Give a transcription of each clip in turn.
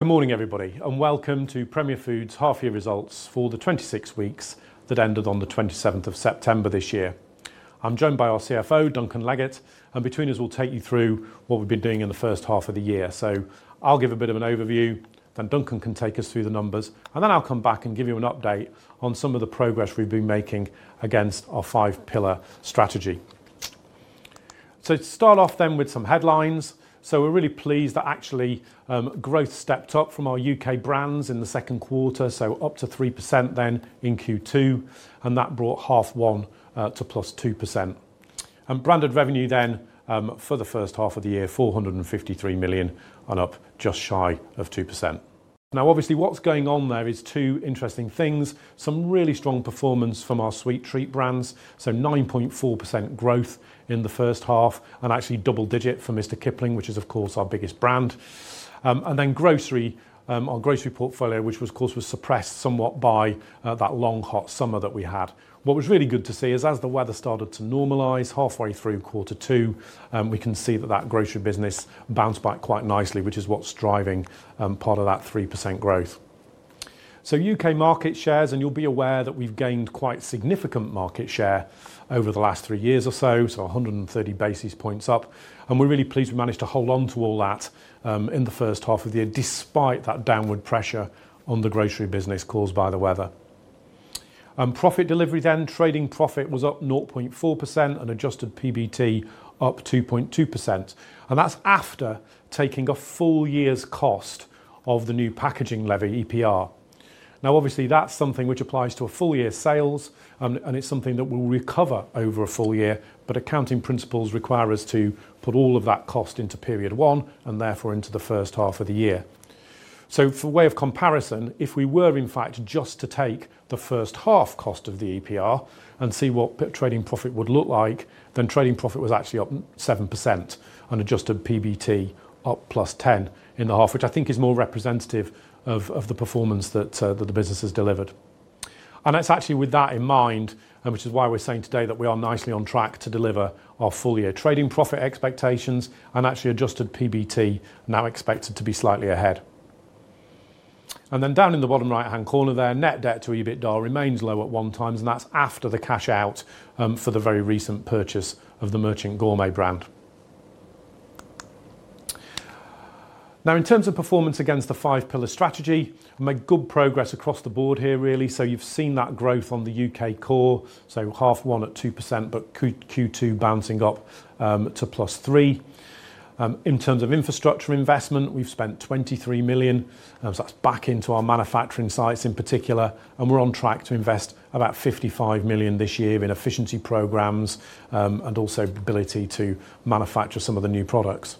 Good morning, everybody, and welcome to Premier Foods half-year results for the 26 weeks that ended on the 27th of September this year. I'm joined by our CFO, Duncan Leggett, and between us, we'll take you through what we've been doing in the first half of the year. I'll give a bit of an overview, then Duncan can take us through the numbers, and then I'll come back and give you an update on some of the progress we've been making against our five-pillar strategy. To start off then with some headlines, we're really pleased that actually growth stepped up from our U.K. brands in the second quarter, up to 3% then in Q2, and that brought 0.5% to +2%. Branded revenue then for the first half of the year, 453 million and up, just shy of 2%. Now, obviously, what's going on there is two interesting things: some really strong performance from our sweet treat brands, so 9.4% growth in the first half, and actually double digit for Mr Kipling, which is, of course, our biggest brand. Then grocery, our grocery portfolio, which was, of course, suppressed somewhat by that long hot summer that we had. What was really good to see is, as the weather started to normalize halfway through quarter two, we can see that that grocery business bounced back quite nicely, which is what's driving part of that 3% growth. U.K. market shares, and you'll be aware that we've gained quite significant market share over the last three years or so, so 130 basis points up. We are really pleased we managed to hold on to all that in the first half of the year, despite that downward pressure on the grocery business caused by the weather. Profit delivery then, trading profit was up 0.4% and adjusted PBT up 2.2%. That is after taking a full year's cost of the new packaging levy EPR. Now, obviously, that is something which applies to a full year sales, and it is something that will recover over a full year, but accounting principles require us to put all of that cost into period one and therefore into the first half of the year. For way of comparison, if we were in fact just to take the first half cost of the EPR and see what trading profit would look like, then trading profit was actually up 7% and adjusted PBT up +10% in the half, which I think is more representative of the performance that the business has delivered. That is actually with that in mind, which is why we are saying today that we are nicely on track to deliver our full year trading profit expectations and actually adjusted PBT now expected to be slightly ahead. Down in the bottom right-hand corner there, net debt to EBITDA remains low at one times, and that is after the cash out for the very recent purchase of the Merchant Gourmet brand. In terms of performance against the five-pillar strategy, we made good progress across the board here really. You've seen that growth on the U.K. core, 0.5% at 2%, but Q2 bouncing up to +3%. In terms of infrastructure investment, we've spent 23 million, so that's back into our manufacturing sites in particular, and we're on track to invest about 55 million this year in efficiency programs and also ability to manufacture some of the new products.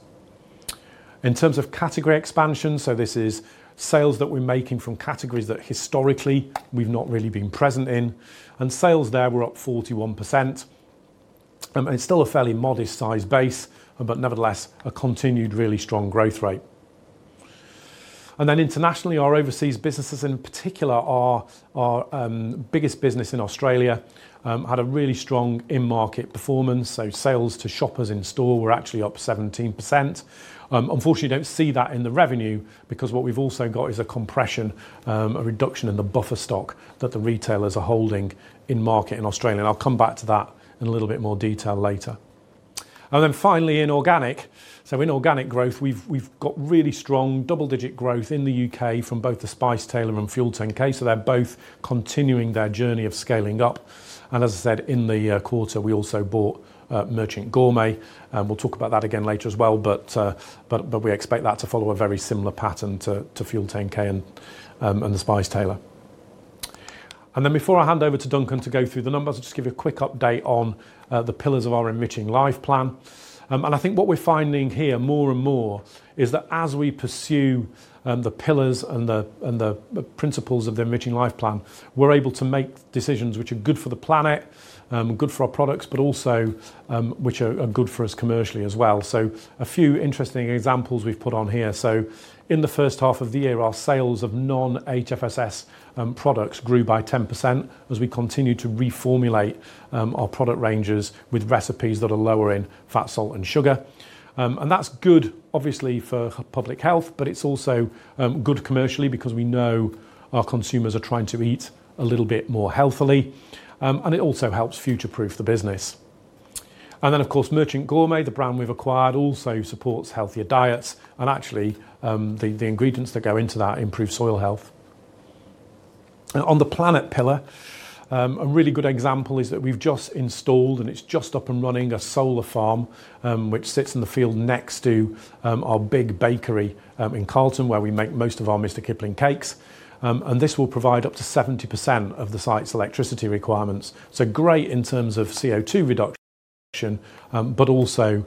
In terms of category expansion, this is sales that we're making from categories that historically we've not really been present in, and sales there were up 41%. It's still a fairly modest size base, but nevertheless a continued really strong growth rate. Internationally, our overseas businesses in particular, our biggest business in Australia, had a really strong in-market performance, so sales to shoppers in store were actually up 17%. Unfortunately, you do not see that in the revenue because what we have also got is a compression, a reduction in the buffer stock that the retailers are holding in market in Australia. I will come back to that in a little bit more detail later. Finally, in organic, so in organic growth, we have really strong double-digit growth in the U.K. from both The Spice Tailor and Fuel10K. They are both continuing their journey of scaling up. As I said, in the quarter, we also bought Merchant Gourmet, and we will talk about that again later as well, but we expect that to follow a very similar pattern to Fuel10K and The Spice Tailor. Before I hand over to Duncan to go through the numbers, I will just give you a quick update on the pillars of our Enriching Life Plan. I think what we're finding here more and more is that as we pursue the pillars and the principles of the Enriching Life Plan, we're able to make decisions which are good for the planet, good for our products, but also which are good for us commercially as well. A few interesting examples we've put on here. In the first half of the year, our sales of non-HFSS products grew by 10% as we continue to reformulate our product ranges with recipes that are lower in fat, salt, and sugar. That's good, obviously, for public health, but it's also good commercially because we know our consumers are trying to eat a little bit more healthily, and it also helps future-proof the business. Of course, Merchant Gourmet, the brand we've acquired, also supports healthier diets, and actually the ingredients that go into that improve soil health. On the planet pillar, a really good example is that we've just installed, and it's just up and running, a solar farm which sits in the field next to our big bakery in Carlton where we make most of our Mr Kipling cakes. This will provide up to 70% of the site's electricity requirements. Great in terms of CO2 reduction, but also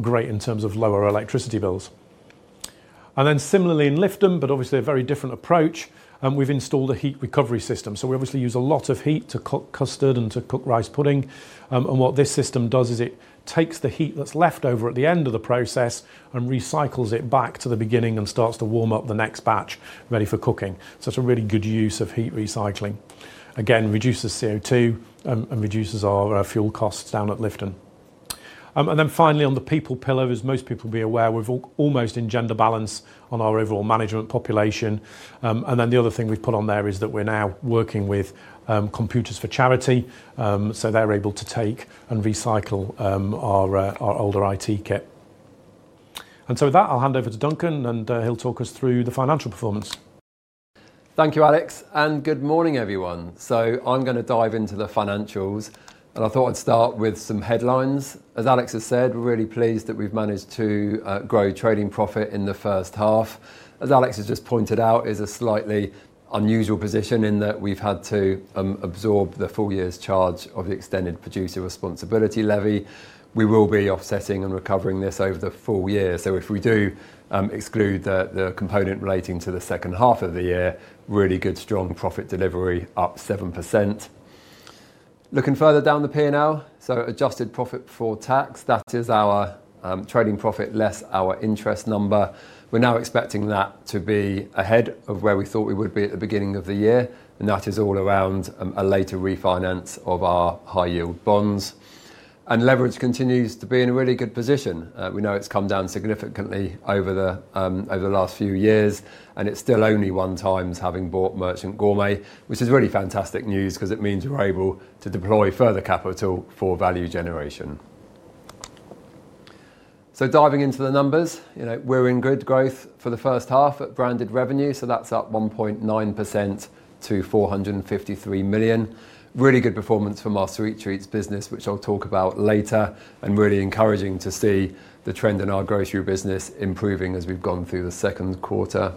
great in terms of lower electricity bills. Similarly in Lifton, but obviously a very different approach, we've installed a heat recovery system. We obviously use a lot of heat to cook custard and to cook rice pudding. What this system does is it takes the heat that's left over at the end of the process and recycles it back to the beginning and starts to warm up the next batch ready for cooking. It is a really good use of heat recycling. Again, reduces CO2 and reduces our fuel costs down at Lifton. Finally, on the people pillar, as most people will be aware, we've almost engendered balance on our overall management population. The other thing we've put on there is that we're now working with Computers for Charity, so they're able to take and recycle our older IT kit. With that, I'll hand over to Duncan, and he'll talk us through the financial performance. Thank you, Alex. Good morning, everyone. I'm going to dive into the financials, and I thought I'd start with some headlines. As Alex has said, we're really pleased that we've managed to grow trading profit in the first half. As Alex has just pointed out, it is a slightly unusual position in that we've had to absorb the full year's charge of the extended producer responsibility levy. We will be offsetting and recovering this over the full year. If we do exclude the component relating to the second half of the year, really good strong profit delivery up 7%. Looking further down the P&L, adjusted profit for tax, that is our trading profit less our interest number. We're now expecting that to be ahead of where we thought we would be at the beginning of the year, and that is all around a later refinance of our high-yield bonds. Leverage continues to be in a really good position. We know it's come down significantly over the last few years, and it's still only 1x having bought Merchant Gourmet, which is really fantastic news because it means we're able to deploy further capital for value generation. Diving into the numbers, we're in good growth for the first half at branded revenue, so that's up 1.9% to 453 million. Really good performance from our Sweet Treats business, which I'll talk about later, and really encouraging to see the trend in our grocery business improving as we've gone through the second quarter.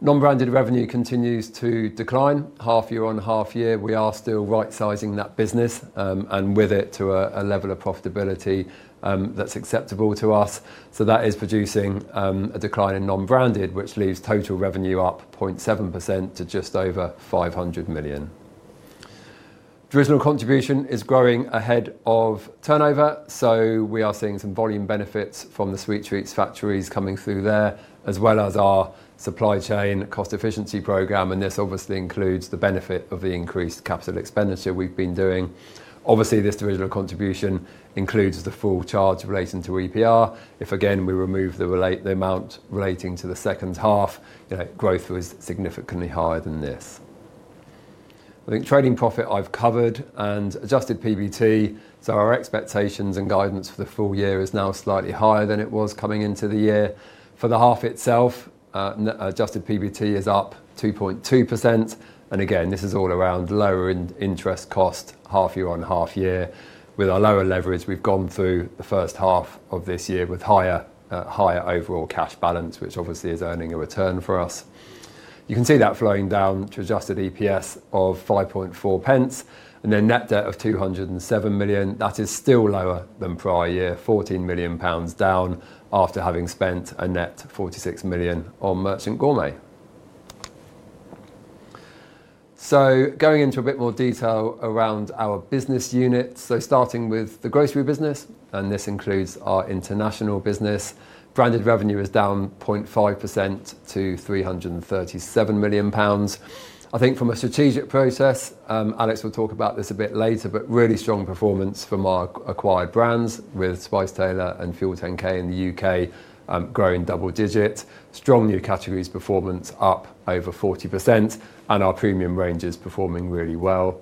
Non-branded revenue continues to decline. Half year on half year, we are still right-sizing that business and with it to a level of profitability that's acceptable to us. That is producing a decline in non-branded, which leaves total revenue up 0.7% to just over 500 million. Traditional contribution is growing ahead of turnover, so we are seeing some volume benefits from the Sweet Treats factories coming through there, as well as our supply chain cost efficiency program, and this obviously includes the benefit of the increased CapEx we've been doing. This original contribution includes the full charge relating to EPR. If again we remove the amount relating to the second half, growth was significantly higher than this. I think trading profit I've covered and adjusted PBT, so our expectations and guidance for the full year is now slightly higher than it was coming into the year. For the half itself, adjusted PBT is up 2.2%, and again, this is all around lower interest cost half year on half year. With our lower leverage, we have gone through the first half of this year with higher overall cash balance, which obviously is earning a return for us. You can see that flowing down to adjusted EPS of 0.054, and then net debt of 207 million. That is still lower than prior year, 14 million pounds down after having spent a net 46 million on Merchant Gourmet. Going into a bit more detail around our business units, starting with the grocery business, and this includes our international business, branded revenue is down 0.5% to 337 million pounds. I think from a strategic process, Alex will talk about this a bit later, but really strong performance from our acquired brands with Spice Tailor and Fuel10K in the U.K. growing double digits. Strong new categories performance up over 40%, and our premium range is performing really well.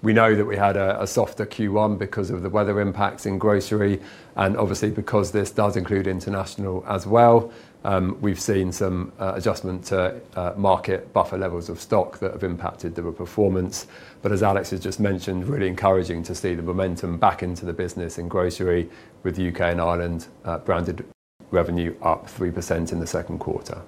We know that we had a softer Q1 because of the weather impacts in grocery, and obviously because this does include international as well, we have seen some adjustment to market buffer levels of stock that have impacted the performance. As Alex has just mentioned, really encouraging to see the momentum back into the business in grocery with U.K. and Ireland branded revenue up 3% in the second quarter.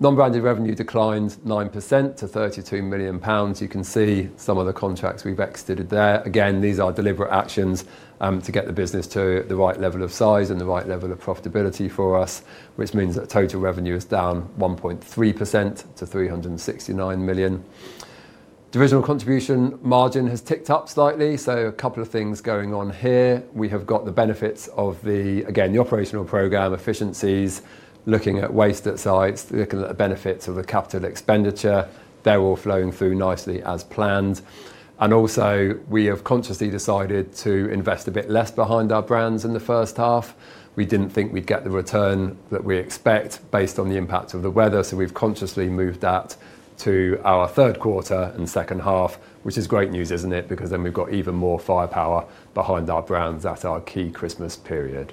Non-branded revenue declined 9% to 32 million pounds. You can see some of the contracts we have exited there. Again, these are deliberate actions to get the business to the right level of size and the right level of profitability for us, which means that total revenue is down 1.3% to 369 million. Divisional contribution margin has ticked up slightly, so a couple of things going on here. We have got the benefits of the, again, the operational program, efficiencies, looking at waste at sites, looking at the benefits of the capital expenditure. They are all flowing through nicely as planned. Also, we have consciously decided to invest a bit less behind our brands in the first half. We did not think we would get the return that we expect based on the impact of the weather, so we have consciously moved that to our third quarter and second half, which is great news, is it not? Because then we have got even more firepower behind our brands at our key Christmas period.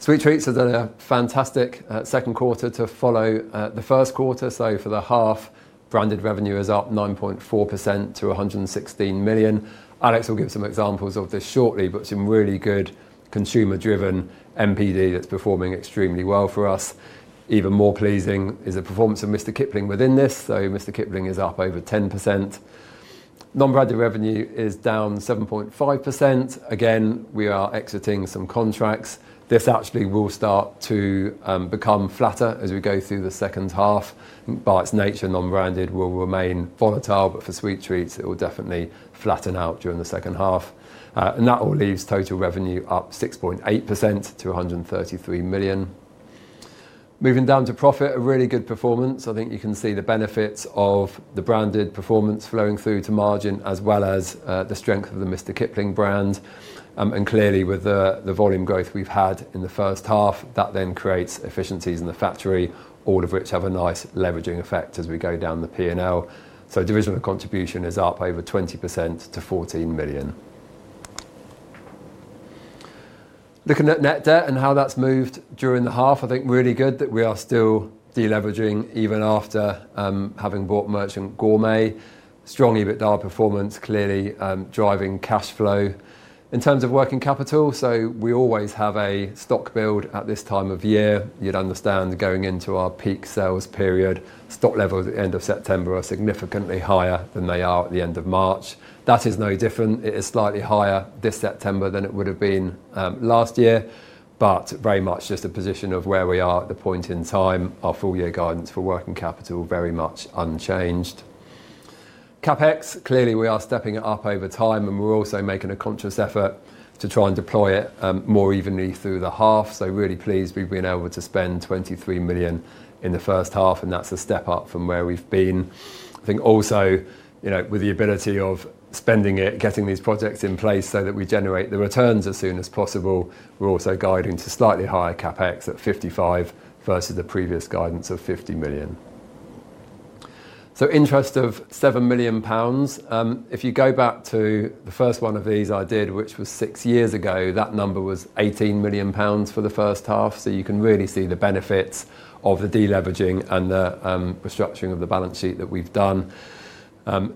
Sweet Treats have done a fantastic second quarter to follow the first quarter, so for the half, branded revenue is up 9.4% to 116 million. Alex will give some examples of this shortly, but some really good consumer-driven MPD that's performing extremely well for us. Even more pleasing is the performance of Mr Kipling within this, so Mr Kipling is up over 10%. Non-branded revenue is down 7.5%. Again, we are exiting some contracts. This actually will start to become flatter as we go through the second half. By its nature, non-branded will remain volatile, but for Sweet Treats, it will definitely flatten out during the second half. That all leaves total revenue up 6.8% to 133 million. Moving down to profit, a really good performance. I think you can see the benefits of the branded performance flowing through to margin as well as the strength of the Mr Kipling brand. Clearly, with the volume growth we have had in the first half, that then creates efficiencies in the factory, all of which have a nice leveraging effect as we go down the P&L. Divisional contribution is up over 20% to 14 million. Looking at net debt and how that has moved during the half, I think it is really good that we are still deleveraging even after having bought Merchant Gourmet. Strong EBITDA performance, clearly driving cash flow. In terms of working capital, we always have a stock build at this time of year. You would understand going into our peak sales period, stock levels at the end of September are significantly higher than they are at the end of March. That is no different. It is slightly higher this September than it would have been last year, but very much just a position of where we are at the point in time, our full year guidance for working capital very much unchanged. CapEx, clearly we are stepping it up over time, and we are also making a conscious effort to try and deploy it more evenly through the half. I am really pleased we have been able to spend 23 million in the first half, and that is a step up from where we have been. I think also, you know, with the ability of spending it, getting these projects in place so that we generate the returns as soon as possible, we are also guiding to slightly higher CapEx at 55 million versus the previous guidance of 50 million. Interest of 7 million pounds. If you go back to the first one of these I did, which was six years ago, that number was 18 million pounds for the first half. You can really see the benefits of the deleveraging and the restructuring of the balance sheet that we've done.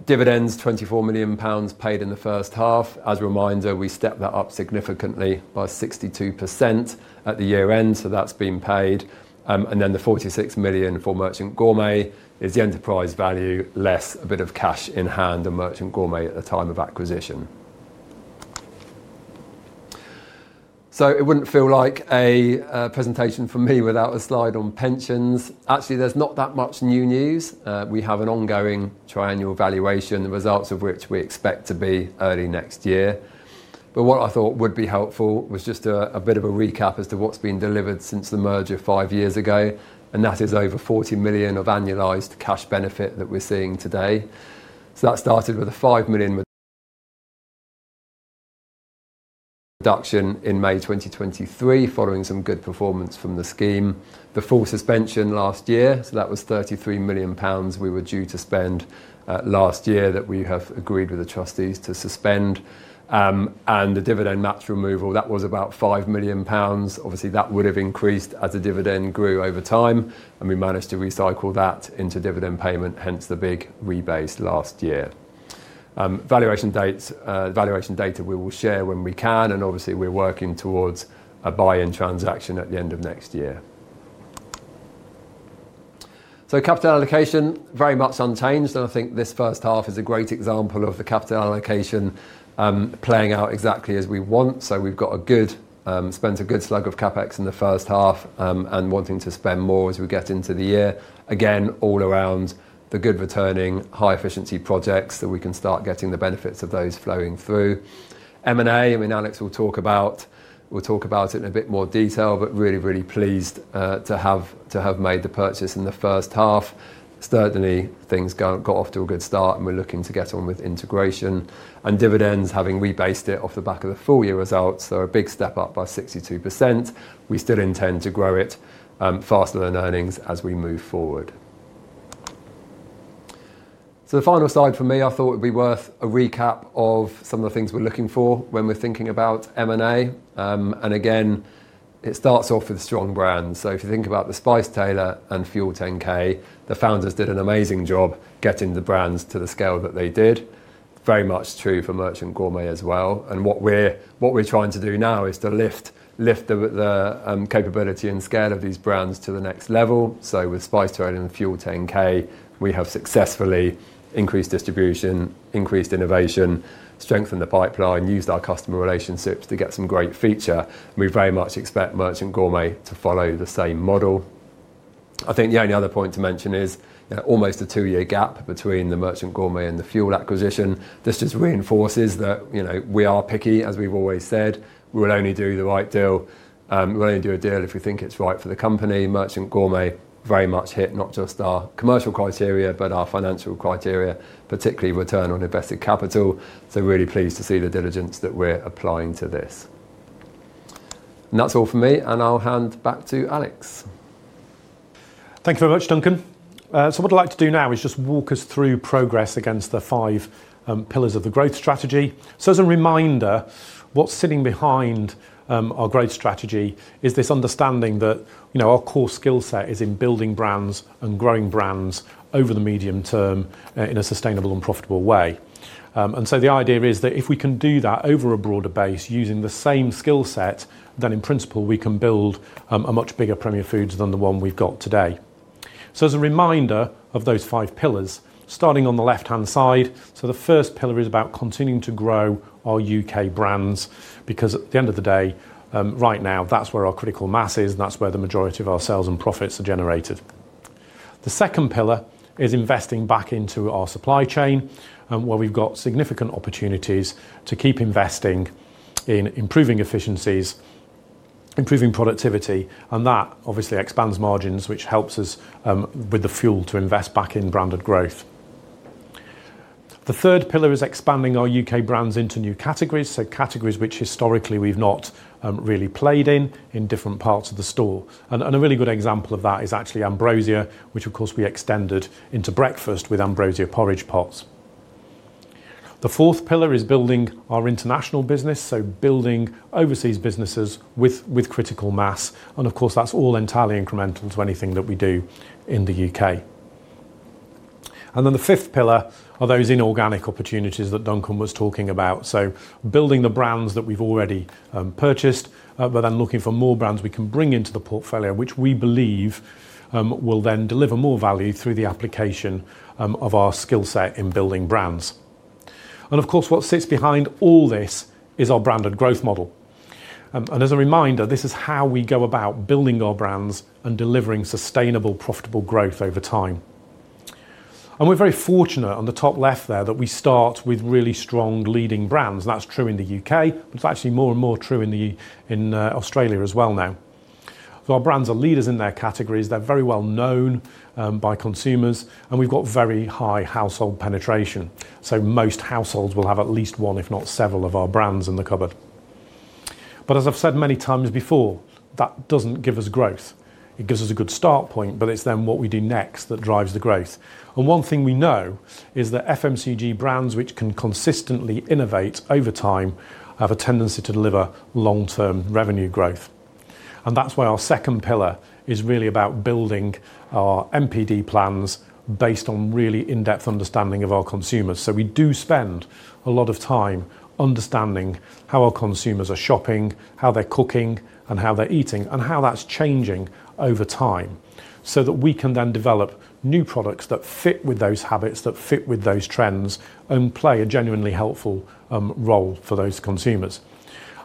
Dividends, 24 million pounds paid in the first half. As a reminder, we stepped that up significantly by 62% at the year end, so that's been paid. The 46 million for Merchant Gourmet is the enterprise value less a bit of cash in hand of Merchant Gourmet at the time of acquisition. It would not feel like a presentation for me without a slide on pensions. Actually, there's not that much new news. We have an ongoing tri-annual valuation, the results of which we expect to be early next year. What I thought would be helpful was just a bit of a recap as to what has been delivered since the merger five years ago, and that is over 40 million of annualized cash benefit that we are seeing today. That started with a 5 million reduction in May 2023 following some good performance from the scheme. The full suspension last year, that was 33 million pounds we were due to spend last year that we have agreed with the trustees to suspend. The dividend match removal, that was about 5 million pounds. Obviously, that would have increased as the dividend grew over time, and we managed to recycle that into dividend payment, hence the big rebase last year. Valuation data, we will share when we can, and obviously we are working towards a buy-in transaction at the end of next year. Capital allocation, very much unchanged, and I think this first half is a great example of the capital allocation playing out exactly as we want. We have spent a good slug of CapEx in the first half and want to spend more as we get into the year. Again, all around the good returning, high efficiency projects that we can start getting the benefits of those flowing through. M&A, I mean, Alex will talk about it in a bit more detail, but really, really pleased to have made the purchase in the first half. Certainly, things got off to a good start, and we are looking to get on with integration. Dividends, having rebased it off the back of the full year results, are a big step up by 62%. We still intend to grow it faster than earnings as we move forward. The final slide for me, I thought it'd be worth a recap of some of the things we're looking for when we're thinking about M&A. Again, it starts off with strong brands. If you think about The Spice Tailor and Fuel10K, the founders did an amazing job getting the brands to the scale that they did. Very much true for Merchant Gourmet as well. What we're trying to do now is to lift the capability and scale of these brands to the next level. With Spice Tailor and Fuel10K, we have successfully increased distribution, increased innovation, strengthened the pipeline, used our customer relationships to get some great feature. We very much expect Merchant Gourmet to follow the same model. I think the only other point to mention is almost a two-year gap between the Merchant Gourmet and the Fuel acquisition. This just reinforces that we are picky, as we've always said. We'll only do the right deal. We'll only do a deal if we think it's right for the company. Merchant Gourmet very much hit not just our commercial criteria, but our financial criteria, particularly return on invested capital. Really pleased to see the diligence that we're applying to this. That's all for me, and I'll hand back to Alex. Thank you very much, Duncan. What I'd like to do now is just walk us through progress against the five pillars of the growth strategy. As a reminder, what's sitting behind our growth strategy is this understanding that our core skill set is in building brands and growing brands over the medium term in a sustainable and profitable way. The idea is that if we can do that over a broader base using the same skill set, then in principle we can build a much bigger Premier Foods than the one we've got today. As a reminder of those five pillars, starting on the left-hand side, the first pillar is about continuing to grow our U.K. brands because at the end of the day, right now, that's where our critical mass is and that's where the majority of our sales and profits are generated. The second pillar is investing back into our supply chain where we've got significant opportunities to keep investing in improving efficiencies, improving productivity, and that obviously expands margins, which helps us with the fuel to invest back in branded growth. The third pillar is expanding our U.K. brands into new categories, so categories which historically we've not really played in in different parts of the store. A really good example of that is actually Ambrosia, which of course we extended into breakfast with Ambrosia porridge pots. The fourth pillar is building our international business, building overseas businesses with critical mass. Of course, that's all entirely incremental to anything that we do in the U.K. The fifth pillar are those inorganic opportunities that Duncan was talking about, building the brands that we've already purchased, but then looking for more brands we can bring into the portfolio, which we believe will then deliver more value through the application of our skill set in building brands. What sits behind all this is our Branded Growth Model. As a reminder, this is how we go about building our brands and delivering sustainable, profitable growth over time. We're very fortunate on the top left there that we start with really strong leading brands. That's true in the U.K., but it's actually more and more true in Australia as well now. Our brands are leaders in their categories. They're very well known by consumers, and we've got very high household penetration. Most households will have at least one, if not several, of our brands in the cupboard. As I've said many times before, that doesn't give us growth. It gives us a good start point, but it's then what we do next that drives the growth. One thing we know is that FMCG brands, which can consistently innovate over time, have a tendency to deliver long-term revenue growth. That is why our second pillar is really about building our MPD plans based on really in-depth understanding of our consumers. We do spend a lot of time understanding how our consumers are shopping, how they are cooking, and how they are eating, and how that is changing over time so that we can then develop new products that fit with those habits, that fit with those trends, and play a genuinely helpful role for those consumers.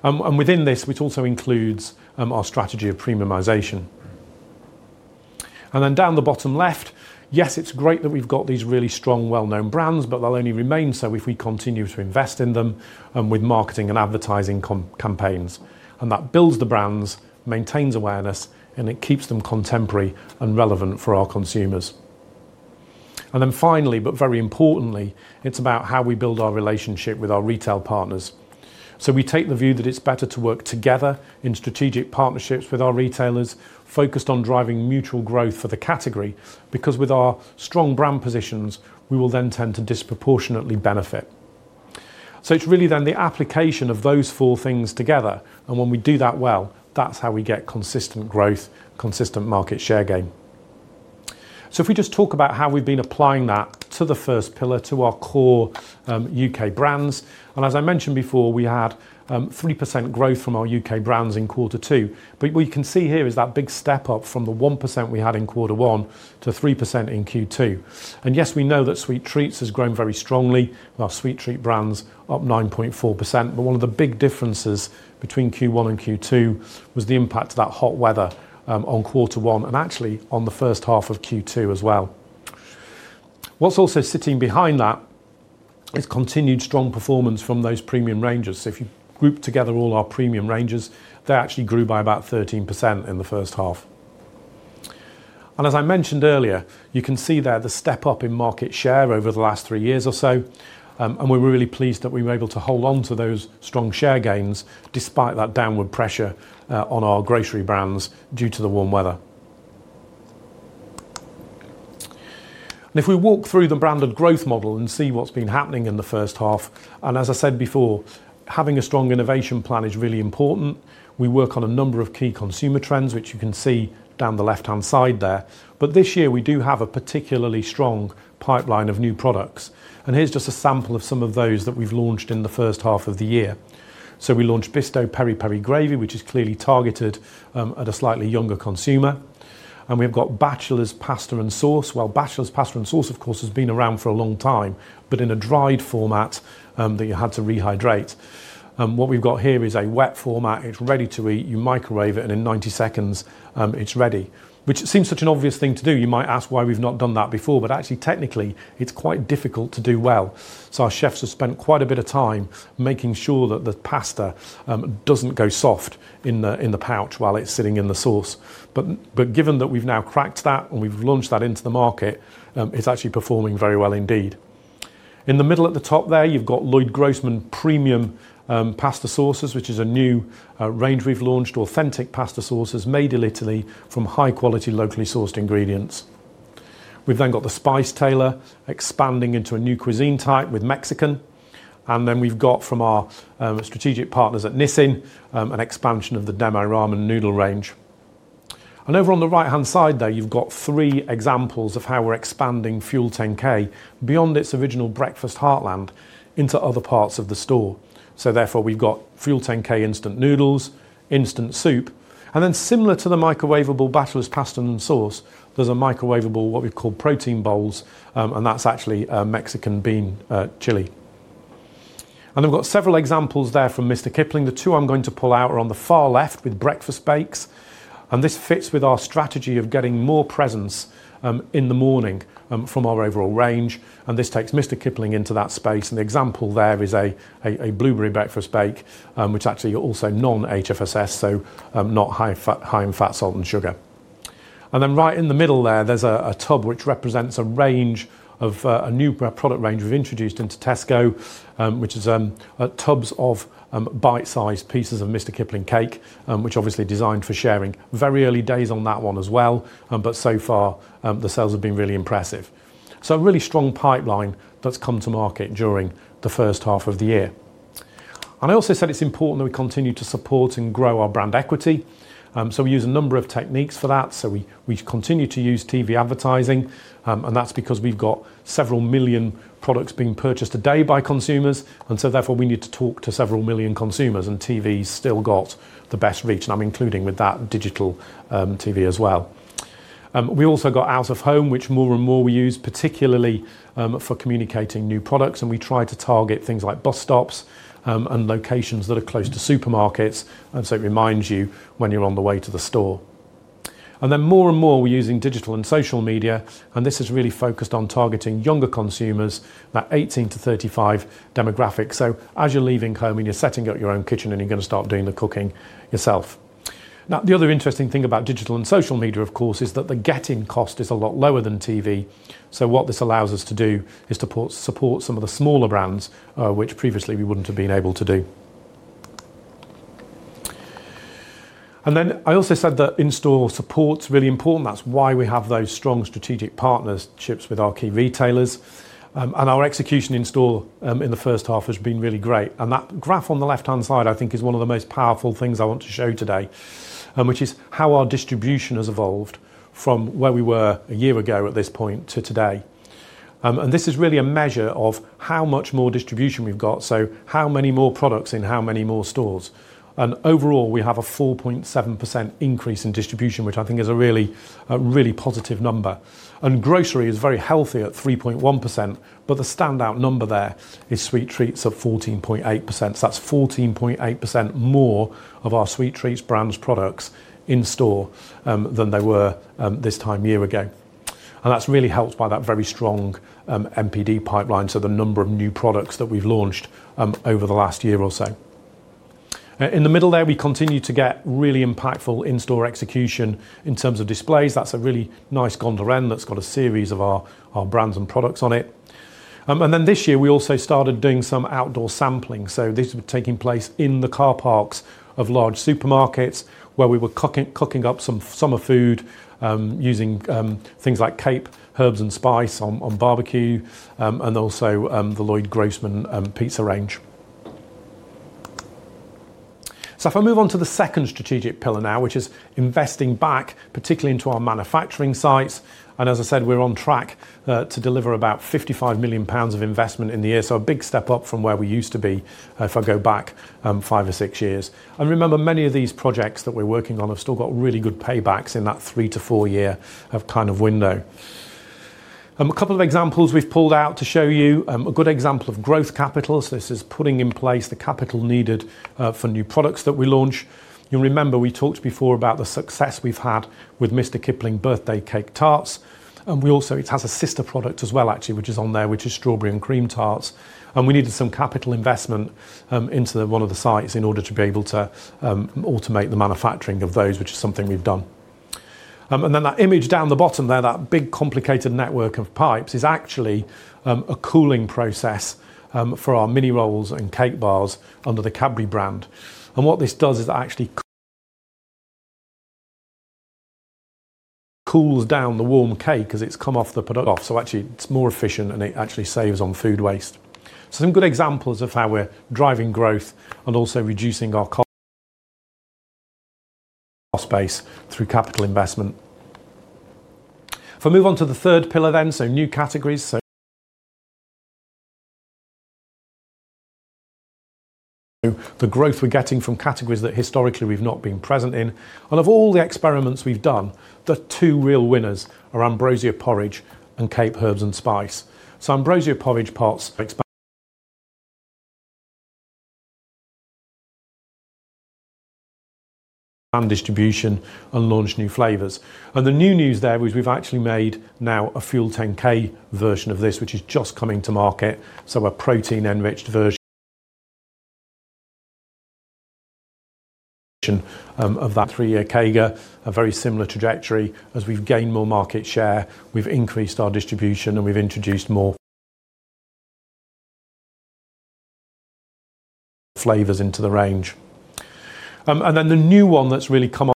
Within this, which also includes our strategy of premiumisation. Down the bottom left, yes, it is great that we have got these really strong, well-known brands, but they will only remain so if we continue to invest in them with marketing and advertising campaigns. That builds the brands, maintains awareness, and keeps them contemporary and relevant for our consumers. Finally, but very importantly, it is about how we build our relationship with our retail partners. We take the view that it is better to work together in strategic partnerships with our retailers, focused on driving mutual growth for the category, because with our strong brand positions, we will then tend to disproportionately benefit. It is really then the application of those four things together. When we do that well, that is how we get consistent growth, consistent market share gain. If we just talk about how we have been applying that to the first pillar, to our core U.K. brands. As I mentioned before, we had 3% growth from our U.K. brands in quarter two. What you can see here is that big step up from the 1% we had in quarter one to 3% in Q2. Yes, we know that Sweet Treats has grown very strongly with our sweet treat brands up 9.4%. One of the big differences between Q1 and Q2 was the impact of that hot weather on quarter one and actually on the first half of Q2 as well. What's also sitting behind that is continued strong performance from those premium ranges. If you group together all our premium ranges, they actually grew by about 13% in the first half. As I mentioned earlier, you can see there the step up in market share over the last three years or so. We're really pleased that we were able to hold on to those strong share gains despite that downward pressure on our grocery brands due to the warm weather. If we walk through the Branded Growth Model and see what's been happening in the first half, as I said before, having a strong innovation plan is really important. We work on a number of key consumer trends, which you can see down the left-hand side there. This year, we do have a particularly strong pipeline of new products. Here's just a sample of some of those that we've launched in the first half of the year. We launched Bisto Peri Peri Gravy, which is clearly targeted at a slightly younger consumer. We've got Batchelors Pasta and Sauce. Batchelors Pasta 'n' Sauce, of course, has been around for a long time, but in a dried format that you had to rehydrate. What we've got here is a wet format. It's ready to eat. You microwave it, and in 90 seconds, it's ready. Which seems such an obvious thing to do. You might ask why we've not done that before, but actually, technically, it's quite difficult to do well. Our chefs have spent quite a bit of time making sure that the pasta doesn't go soft in the pouch while it's sitting in the sauce. Given that we've now cracked that and we've launched that into the market, it's actually performing very well indeed. In the middle at the top there, you've got Lloyd Grossman Premium Pasta Sauces, which is a new range we've launched, authentic pasta sauces made in Italy from high-quality locally sourced ingredients. We've then got The Spice Tailor expanding into a new cuisine type with Mexican. We've got from our strategic partners at Nissin an expansion of the Demae Ramen noodle range. Over on the right-hand side there, you've got three examples of how we're expanding Fuel10K beyond its original breakfast heartland into other parts of the store. Therefore, we've got Fuel10K instant noodles, instant soup, and then similar to the microwavable Batchelors Pasta 'n' Sauce, there's a microwavable, what we call Protein Bowls, and that's actually a Mexican bean chili. We've got several examples there from Mr Kipling. The two I'm going to pull out are on the far left with breakfast bakes. This fits with our strategy of getting more presence in the morning from our overall range. This takes Mr Kipling into that space. The example there is a Blueberry Breakfast Bake, which actually are also non-HFSS, so not high in fat, salt, and sugar. Right in the middle there, there's a tub which represents a range of a new product range we've introduced into Tesco, which is tubs of bite-sized pieces of Mr Kipling cake, which obviously are designed for sharing. Very early days on that one as well, but so far, the sales have been really impressive. A really strong pipeline has come to market during the first half of the year. I also said it's important that we continue to support and grow our brand equity. We use a number of techniques for that. We continue to use TV advertising, and that's because we've got several million products being purchased a day by consumers. Therefore, we need to talk to several million consumers, and TV's still got the best reach, and I'm including with that digital TV as well. We also got out of home, which more and more we use, particularly for communicating new products, and we try to target things like bus stops and locations that are close to supermarkets. It reminds you when you're on the way to the store. More and more we're using digital and social media, and this is really focused on targeting younger consumers, that 18-35 demographic. As you're leaving home and you're setting up your own kitchen and you're going to start doing the cooking yourself. Now, the other interesting thing about digital and social media, of course, is that the getting cost is a lot lower than TV. What this allows us to do is to support some of the smaller brands, which previously we wouldn't have been able to do. I also said that in-store support's really important. That's why we have those strong strategic partnerships with our key retailers. Our execution in-store in the first half has been really great. That graph on the left-hand side, I think, is one of the most powerful things I want to show today, which is how our distribution has evolved from where we were a year ago at this point to today. This is really a measure of how much more distribution we've got, so how many more products in how many more stores. Overall, we have a 4.7% increase in distribution, which I think is a really positive number. Grocery is very healthy at 3.1%, but the standout number there is Sweet Treats at 14.8%. That's 14.8% more of our Sweet Treats brands products in-store than they were this time a year ago. That is really helped by that very strong MPD pipeline, so the number of new products that we have launched over the last year or so. In the middle there, we continue to get really impactful in-store execution in terms of displays. That is a really nice gondoline that has a series of our brands and products on it. This year, we also started doing some outdoor sampling. This was taking place in the car parks of large supermarkets where we were cooking up some summer food using things like Cape Herbs & Spice on barbecue and also the Lloyd Grossman pizza range. If I move on to the second strategic pillar now, which is investing back, particularly into our manufacturing sites. As I said, we are on track to deliver about 55 million pounds of investment in the year, so a big step up from where we used to be if I go back five or six years. Remember, many of these projects that we are working on have still got really good paybacks in that three- to four-year kind of window. A couple of examples we have pulled out to show you a good example of growth capital. This is putting in place the capital needed for new products that we launch. You will remember we talked before about the success we have had with Mr Kipling Birthday Cake Tarts. It has a sister product as well, actually, which is on there, which is Strawberry & Cream Tarts. We needed some capital investment into one of the sites in order to be able to automate the manufacturing of those, which is something we have done. That image down the bottom there, that big complicated network of pipes, is actually a cooling process for our mini rolls and cake bars under the Cadbury brand. What this does is it actually cools down the warm cake as it has come off the product off. It is more efficient and it actually saves on food waste. These are some good examples of how we are driving growth and also reducing our cost base through capital investment. If I move on to the third pillar then, new categories, the growth we are getting from categories that historically we have not been present in. Of all the experiments we've done, the two real winners are Ambrosia pPorridge and Cape Herbs & Spice. Ambrosia porridge pots and distribution and launch new flavors. The new news there was we've actually made now a Fuel10K version of this, which is just coming to market, so a protein-enriched version of that three-year [Kaga], a very similar trajectory as we've gained more market share, we've increased our distribution, and we've introduced more flavors into the range. The new one that's really come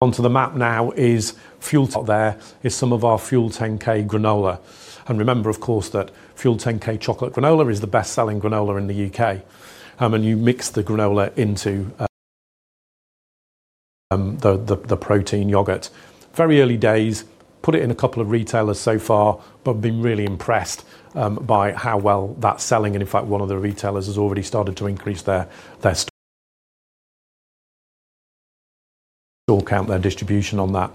onto the map now is Fuel. There is some of our Fuel10K granola. Remember, of course, that Fuel10K chocolate granola is the best-selling granola in the U.K. You mix the granola into the protein yoghurt. Very early days, put it in a couple of retailers so far, but we've been really impressed by how well that's selling. In fact, one of the retailers has already started to increase their store count, their distribution on that.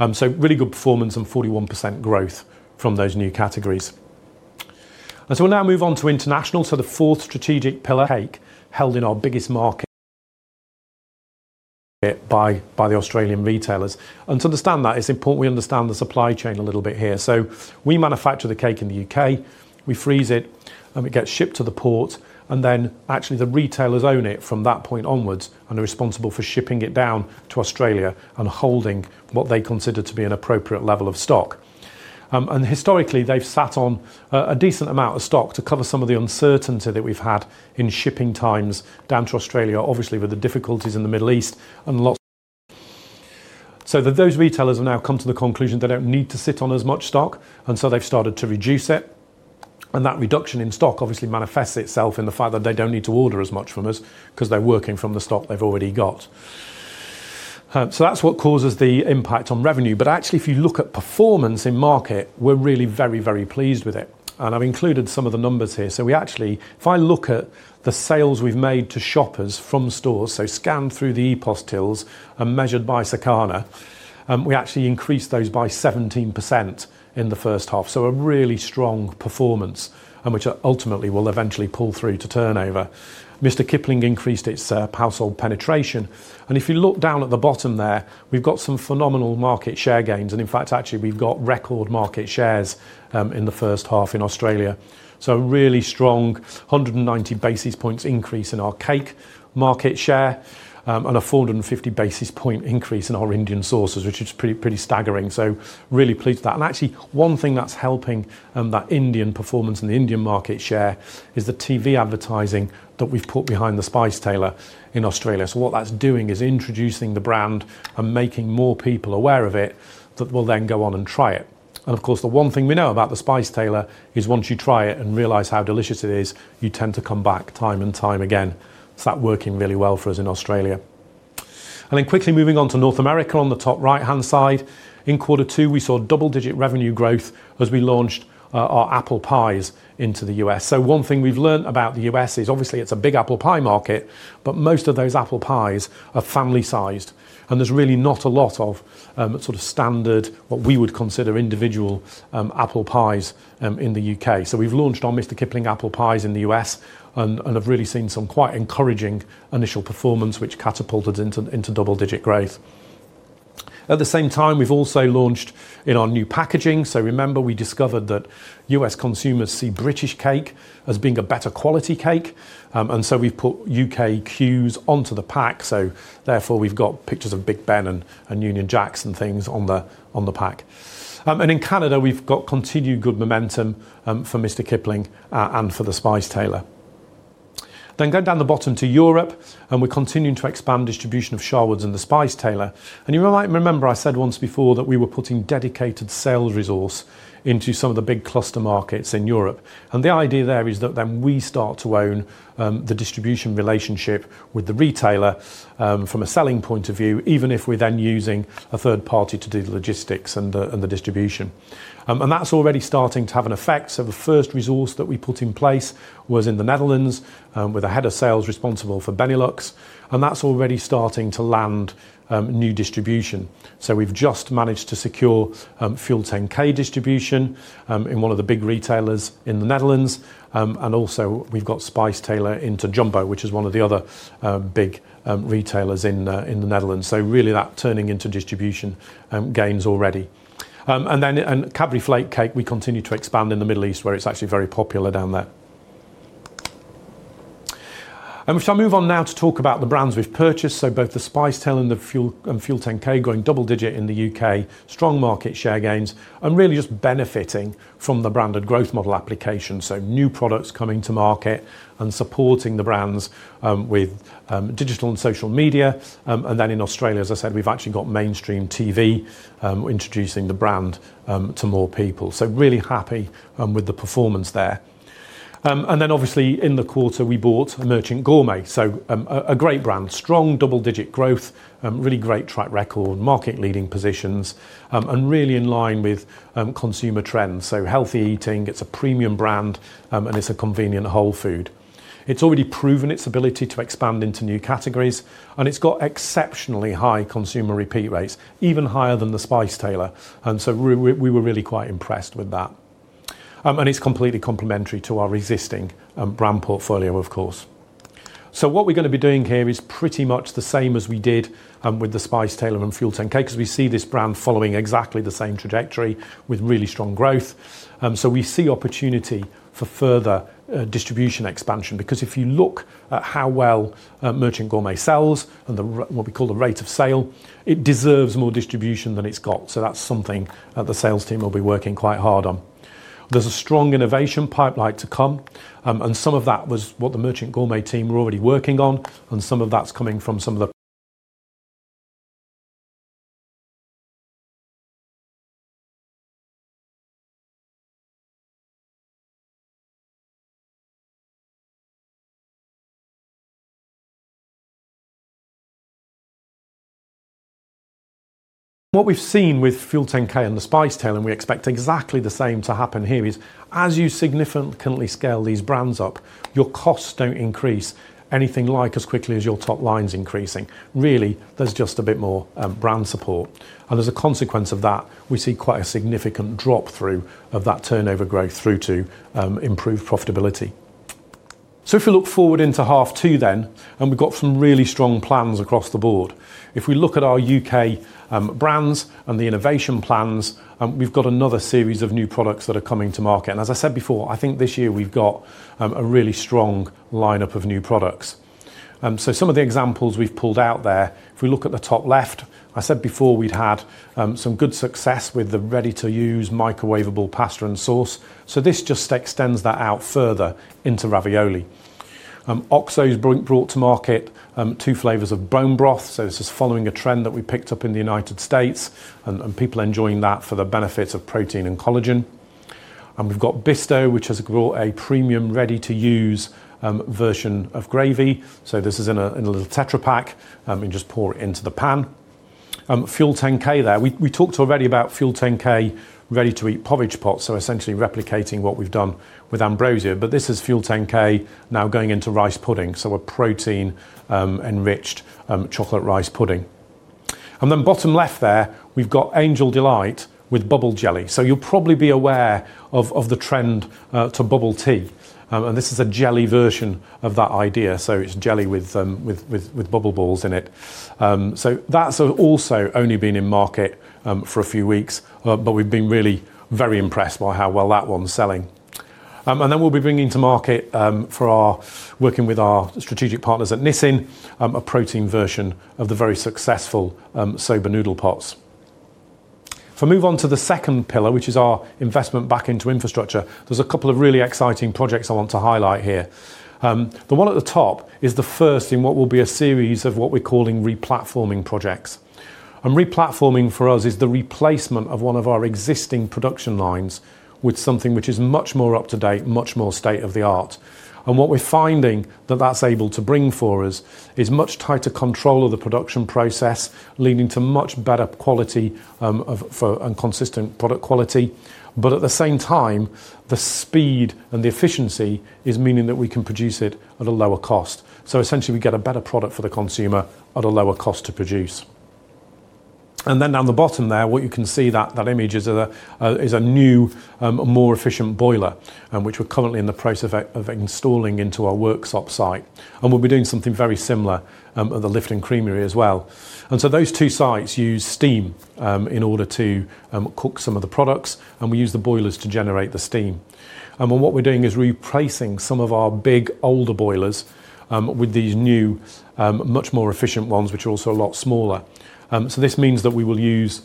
Really good performance and 41% growth from those new categories. We'll now move on to international. The fourth strategic pillar cake held in our biggest market by the Australian retailers. To understand that, it's important we understand the supply chain a little bit here. We manufacture the cake in the U.K., we freeze it, and it gets shipped to the port. Actually, the retailers own it from that point onwards and are responsible for shipping it down to Australia and holding what they consider to be an appropriate level of stock. Historically, they've sat on a decent amount of stock to cover some of the uncertainty that we've had in shipping times down to Australia, obviously with the difficulties in the Middle East and lots of. Those retailers have now come to the conclusion they don't need to sit on as much stock, and they've started to reduce it. That reduction in stock obviously manifests itself in the fact that they don't need to order as much from us because they're working from the stock they've already got. That is what causes the impact on revenue. Actually, if you look at performance in market, we're really very, very pleased with it. I've included some of the numbers here. We actually, if I look at the sales we've made to shoppers from stores, so scanned through the EPOS tills and measured by Sakana, we actually increased those by 17% in the first half. A really strong performance, which ultimately will eventually pull through to turnover. Mr Kipling increased its household penetration. If you look down at the bottom there, we've got some phenomenal market share gains. In fact, actually, we've got record market shares in the first half in Australia. A really strong 190 basis points increase in our cake market share and a 450 basis point increase in our Indian sauces, which is pretty staggering. Really pleased with that. Actually, one thing that's helping that Indian performance and the Indian market share is the TV advertising that we've put behind The Spice Tailor in Australia. What that's doing is introducing the brand and making more people aware of it that will then go on and try it. Of course, the one thing we know about The Spice Tailor is once you try it and realize how delicious it is, you tend to come back time and time again. It's working really well for us in Australia. Quickly moving on to North America on the top right-hand side. In quarter two, we saw double-digit revenue growth as we launched our apple pies into the U.S. One thing we've learned about the U.S. is obviously it's a big apple pie market, but most of those apple pies are family-sized. There's really not a lot of sort of standard, what we would consider individual apple pies in the U.K. We've launched our Mr Kipling apple pies in the U.S. have really seen some quite encouraging initial performance, which catapulted into double-digit growth. At the same time, we've also launched in our new packaging. Remember, we discovered that U.S. consumers see British cake as being a better quality cake. We've put U.K. cues onto the pack. Therefore, we've got pictures of Big Ben and Union Jacks and things on the pack. In Canada, we've got continued good momentum for Mr Kipling and for The Spice Tailor. Go down to Europe, and we're continuing to expand distribution of Sharwood's and The Spice Tailor. You might remember I said once before that we were putting dedicated sales resource into some of the big cluster markets in Europe. The idea there is that then we start to own the distribution relationship with the retailer from a selling point of view, even if we're then using a third party to do the logistics and the distribution. That's already starting to have an effect. The first resource that we put in place was in the Netherlands with a head of sales responsible for Benelux. That's already starting to land new distribution. We've just managed to secure Fuel10K distribution in one of the big retailers in the Netherlands. Also, we've got Spice Tailor into Jumbo, which is one of the other big retailers in the Netherlands. That is really turning into distribution gains already. Cadbury Flake Cake, we continue to expand in the Middle East where it's actually very popular down there. If I move on now to talk about the brands we've purchased, both The Spice Tailor and Fuel10K going double-digit in the U.K., strong market share gains, and really just benefiting from the branded growth model application. New products coming to market and supporting the brands with digital and social media. In Australia, as I said, we've actually got mainstream TV introducing the brand to more people. Really happy with the performance there. Obviously, in the quarter, we bought Merchant Gourmet. A great brand, strong double-digit growth, really great track record, market-leading positions, and really in line with consumer trends. Healthy eating, it's a premium brand, and it's a convenient whole food. It's already proven its ability to expand into new categories, and it's got exceptionally high consumer repeat rates, even higher than The Spice Tailor. We were really quite impressed with that. It is completely complementary to our existing brand portfolio, of course. What we are going to be doing here is pretty much the same as we did with The Spice Tailor and Fuel10K because we see this brand following exactly the same trajectory with really strong growth. We see opportunity for further distribution expansion because if you look at how well Merchant Gourmet sells and what we call the rate of sale, it deserves more distribution than it has. That is something that the sales team will be working quite hard on. There is a strong innovation pipeline to come, and some of that was what the Merchant Gourmet team were already working on, and some of that is coming from some of the [audio disruption] What we've seen with Fuel10K and The Spice Tailor, and we expect exactly the same to happen here, is as you significantly scale these brands up, your costs don't increase anything like as quickly as your top line's increasing. Really, there's just a bit more brand support. As a consequence of that, we see quite a significant drop through of that turnover growth through to improved profitability. If we look forward into half two then, we've got some really strong plans across the board. If we look at our U.K. brands and the innovation plans, we've got another series of new products that are coming to market. As I said before, I think this year we've got a really strong lineup of new products. Some of the examples we've pulled out there, if we look at the top left, I said before we'd had some good success with the ready-to-use microwavable pasta and sauce. This just extends that out further into ravioli. OXO's brought to market two flavors of bone broth. This is following a trend that we picked up in the United States, and people enjoying that for the benefits of protein and collagen. We've got Bisto, which has brought a premium ready-to-use version of gravy. This is in a little tetrapack. You just pour it into the pan. Fuel10K there. We talked already about Fuel10K ready-to-eat porridge pots, so essentially replicating what we've done with Ambrosia. This is Fuel10K now going into rice pudding, so a protein-enriched chocolate rice pudding. Bottom left there, we've got Angel Delight with Bubble Jelly. You'll probably be aware of the trend to bubble tea. This is a jelly version of that idea. It's jelly with bubble balls in it. That's also only been in market for a few weeks, but we've been really very impressed by how well that one's selling. We'll be bringing to market, working with our strategic partners at Nissin, a protein version of the very successful soba noodle pots. If I move on to the second pillar, which is our investment back into infrastructure, there are a couple of really exciting projects I want to highlight here. The one at the top is the first in what will be a series of what we're calling replatforming projects. Replatforming for us is the replacement of one of our existing production lines with something which is much more up-to-date, much more state-of-the-art. What we're finding that that's able to bring for us is much tighter control of the production process, leading to much better quality and consistent product quality. At the same time, the speed and the efficiency is meaning that we can produce it at a lower cost. Essentially, we get a better product for the consumer at a lower cost to produce. Down the bottom there, what you can see is that image is a new, more efficient boiler, which we're currently in the process of installing into our workshop site. We'll be doing something very similar at the Lifton creamery as well. Those two sites use steam in order to cook some of the products, and we use the boilers to generate the steam. What we're doing is replacing some of our big older boilers with these new, much more efficient ones, which are also a lot smaller. This means that we will use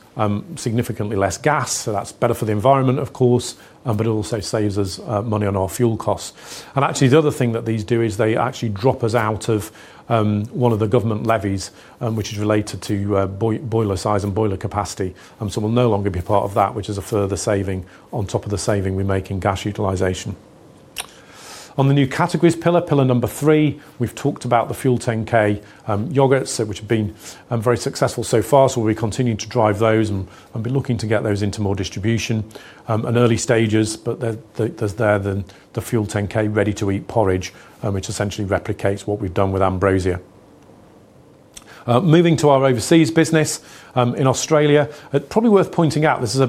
significantly less gas. That is better for the environment, of course, but it also saves us money on our fuel costs. Actually, the other thing that these do is they drop us out of one of the government levies, which is related to boiler size and boiler capacity. We will no longer be a part of that, which is a further saving on top of the saving we make in gas utilization. On the new categories pillar, pillar number three, we've talked about the Fuel10K yoghurts, which have been very successful so far. We will be continuing to drive those and be looking to get those into more distribution in early stages. There's then the Fuel10K ready-to-eat porridge, which essentially replicates what we've done with Ambrosia. Moving to our overseas business in Australia, it's probably worth pointing out this is a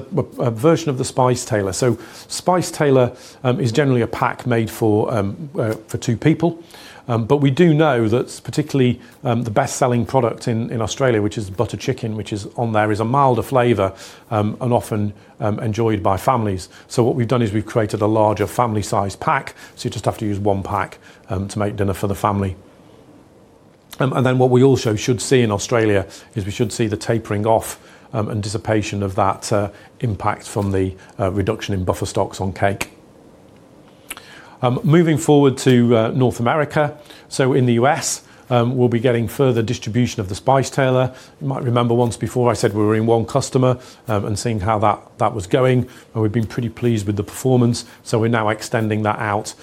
version of The Spice Tailor. Spice Tailor is generally a pack made for two people. We do know that particularly the best-selling product in Australia, which is butter chicken, which is on there, is a milder flavor and often enjoyed by families. What we've done is we've created a larger family-sized pack. You just have to use one pack to make dinner for the family. What we also should see in Australia is the tapering off and dissipation of that impact from the reduction in buffer stocks on cake. Moving forward to North America, in the U.S., we'll be getting further distribution of The Spice Tailor. You might remember once before I said we were in one customer and seeing how that was going. We have been pretty pleased with the performance. We are now extending that out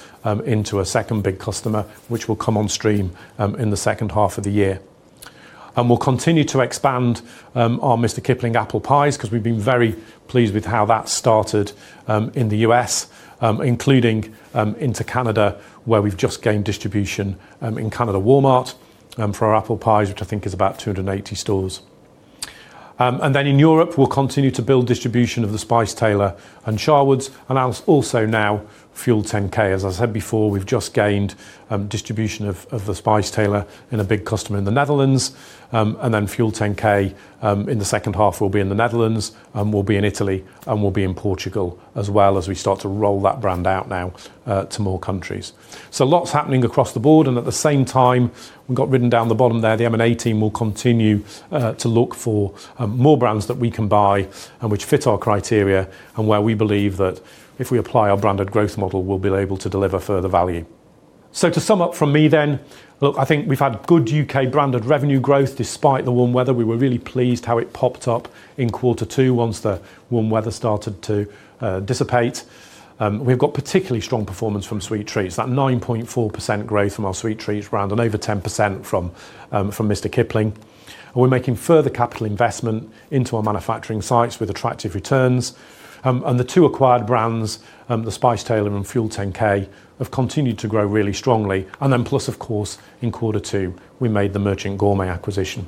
into a second big customer, which will come on stream in the second half of the year. We will continue to expand our Mr Kipling apple pies because we have been very pleased with how that started in the U.S., including into Canada, where we have just gained distribution in Canada Walmart for our apple pies, which I think is about 280 stores. In Europe, we will continue to build distribution of The Spice Tailor and Sharwood's, and also now Fuel10K. As I said before, we have just gained distribution of The Spice Tailor in a big customer in the Netherlands. Fuel10K in the second half will be in the Netherlands, and we'll be in Italy, and we'll be in Portugal as well as we start to roll that brand out now to more countries. Lots happening across the board. At the same time, we've got written down the bottom there, the M&A team will continue to look for more brands that we can buy and which fit our criteria and where we believe that if we apply our branded growth model, we'll be able to deliver further value. To sum up from me then, look, I think we've had good U.K. branded revenue growth despite the warm weather. We were really pleased how it popped up in quarter two once the warm weather started to dissipate. We've got particularly strong performance from Sweet Treats, that 9.4% growth from our Sweet Treats brand and over 10% from Mr Kipling. We're making further capital investment into our manufacturing sites with attractive returns. The two acquired brands, The Spice Tailor and Fuel10K, have continued to grow really strongly. Plus, of course, in quarter two, we made the Merchant Gourmet acquisition.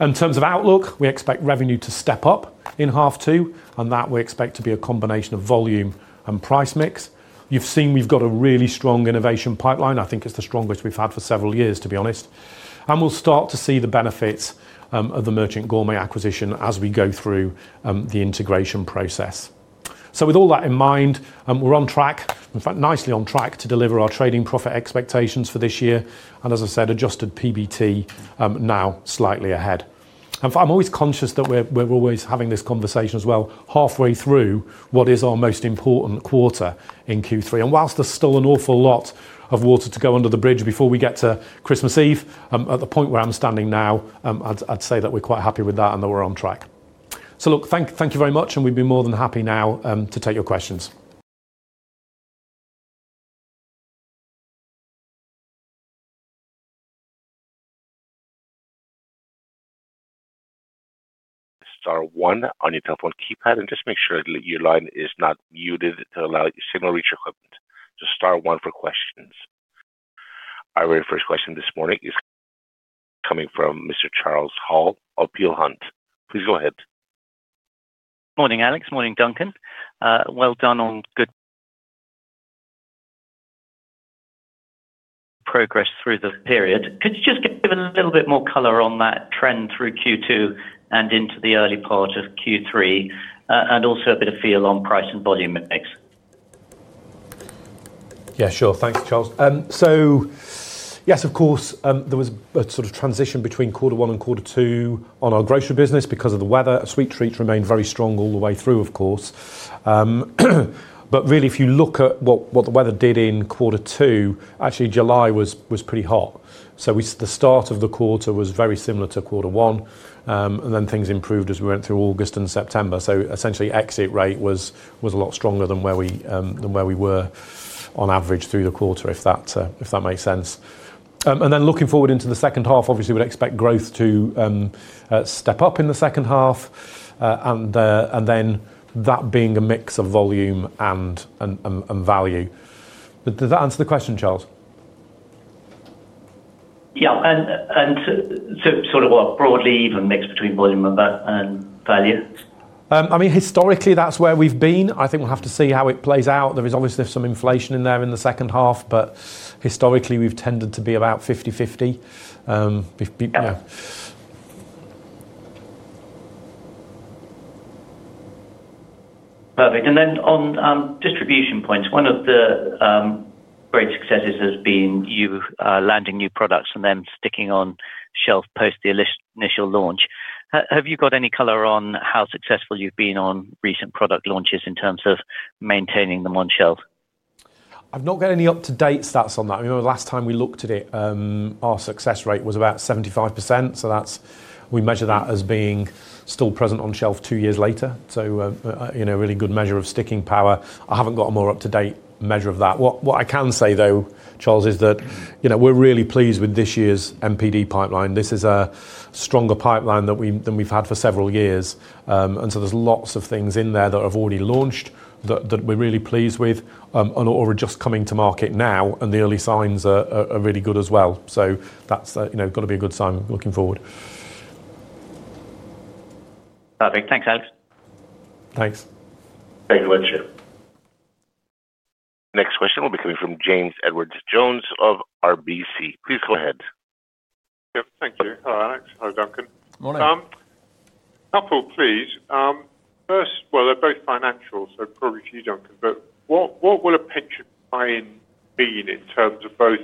In terms of outlook, we expect revenue to step up in half two, and that we expect to be a combination of volume and price mix. You've seen we've got a really strong innovation pipeline. I think it's the strongest we've had for several years, to be honest. We'll start to see the benefits of the Merchant Gourmet acquisition as we go through the integration process. With all that in mind, we're on track, in fact, nicely on track to deliver our trading profit expectations for this year. As I said, adjusted PBT now slightly ahead. I'm always conscious that we're always having this conversation as well halfway through what is our most important quarter in Q3. Whilst there's still an awful lot of water to go under the bridge before we get to Christmas Eve, at the point where I'm standing now, I'd say that we're quite happy with that and that we're on track. Thank you very much, and we'd be more than happy now to take your questions. Star one on your telephone keypad and just make sure your line is not muted to allow signal reach equipment. Star one for questions. Our very first question this morning is coming from Mr. Charles Hall of Peel Hunt. Please go ahead. Morning, Alex. Morning, Duncan. Well done on good progress through the period. Could you just give a little bit more color on that trend through Q2 and into the early part of Q3, and also a bit of feel on price and volume mix? Yeah, sure. Thanks, Charles. Yes, of course, there was a sort of transition between quarter one and quarter two on our grocery business because of the weather. Sweet Treats remained very strong all the way through, of course. Really, if you look at what the weather did in quarter two, actually July was pretty hot. The start of the quarter was very similar to quarter one, and then things improved as we went through August and September. Essentially, exit rate was a lot stronger than where we were on average through the quarter, if that makes sense. Looking forward into the second half, obviously, we would expect growth to step up in the second half, and that being a mix of volume and value. Does that answer the question, Charles? Yeah. And sort of what, broadly, even mix between volume and value? I mean, historically, that's where we've been. I think we'll have to see how it plays out. There is obviously some inflation in there in the second half, but historically, we've tended to be about 50/50. Perfect. Then on distribution points, one of the great successes has been you landing new products and then sticking on shelf post the initial launch. Have you got any color on how successful you've been on recent product launches in terms of maintaining them on shelf? I've not got any up-to-date stats on that. I mean, the last time we looked at it, our success rate was about 75%. We measure that as being still present on shelf two years later. A really good measure of sticking power. I haven't got a more up-to-date measure of that. What I can say, though, Charles, is that we're really pleased with this year's MPD pipeline. This is a stronger pipeline than we've had for several years. There are lots of things in there that have already launched that we're really pleased with or are just coming to market now, and the early signs are really good as well. That's got to be a good sign looking forward. Perfect. Thanks, Alex. Thanks. Thank you very much, sir. Next question will be coming from James Edwardes Jones of RBC. Please go ahead. Thank you. Hi, Alex. Hi, Duncan. Morning. Couple, please. First, they're both financial, so probably to you, Duncan. What will a pension plan be in terms of both,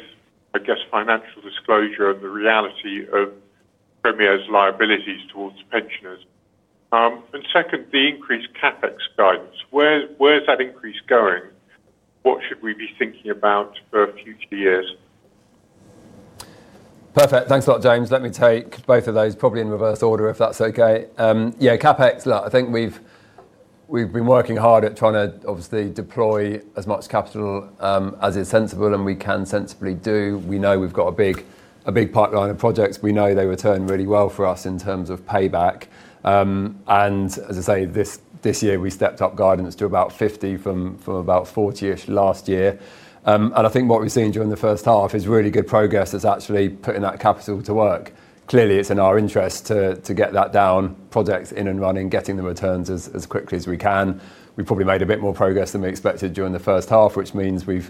I guess, financial disclosure and the reality of Premier's liabilities towards pensioners? Second, the increased CapEx guidance. Where's that increase going? What should we be thinking about for future years? Perfect. Thanks a lot, James. Let me take both of those, probably in reverse order, if that's okay. Yeah, CapEx, look, I think we've been working hard at trying to obviously deploy as much capital as is sensible and we can sensibly do. We know we've got a big pipeline of projects. We know they return really well for us in terms of payback. As I say, this year, we stepped up guidance to about 50 million from about 40 million last year. I think what we've seen during the first half is really good progress. It's actually putting that capital to work. Clearly, it's in our interest to get that down, projects in and running, getting the returns as quickly as we can. We've probably made a bit more progress than we expected during the first half, which means we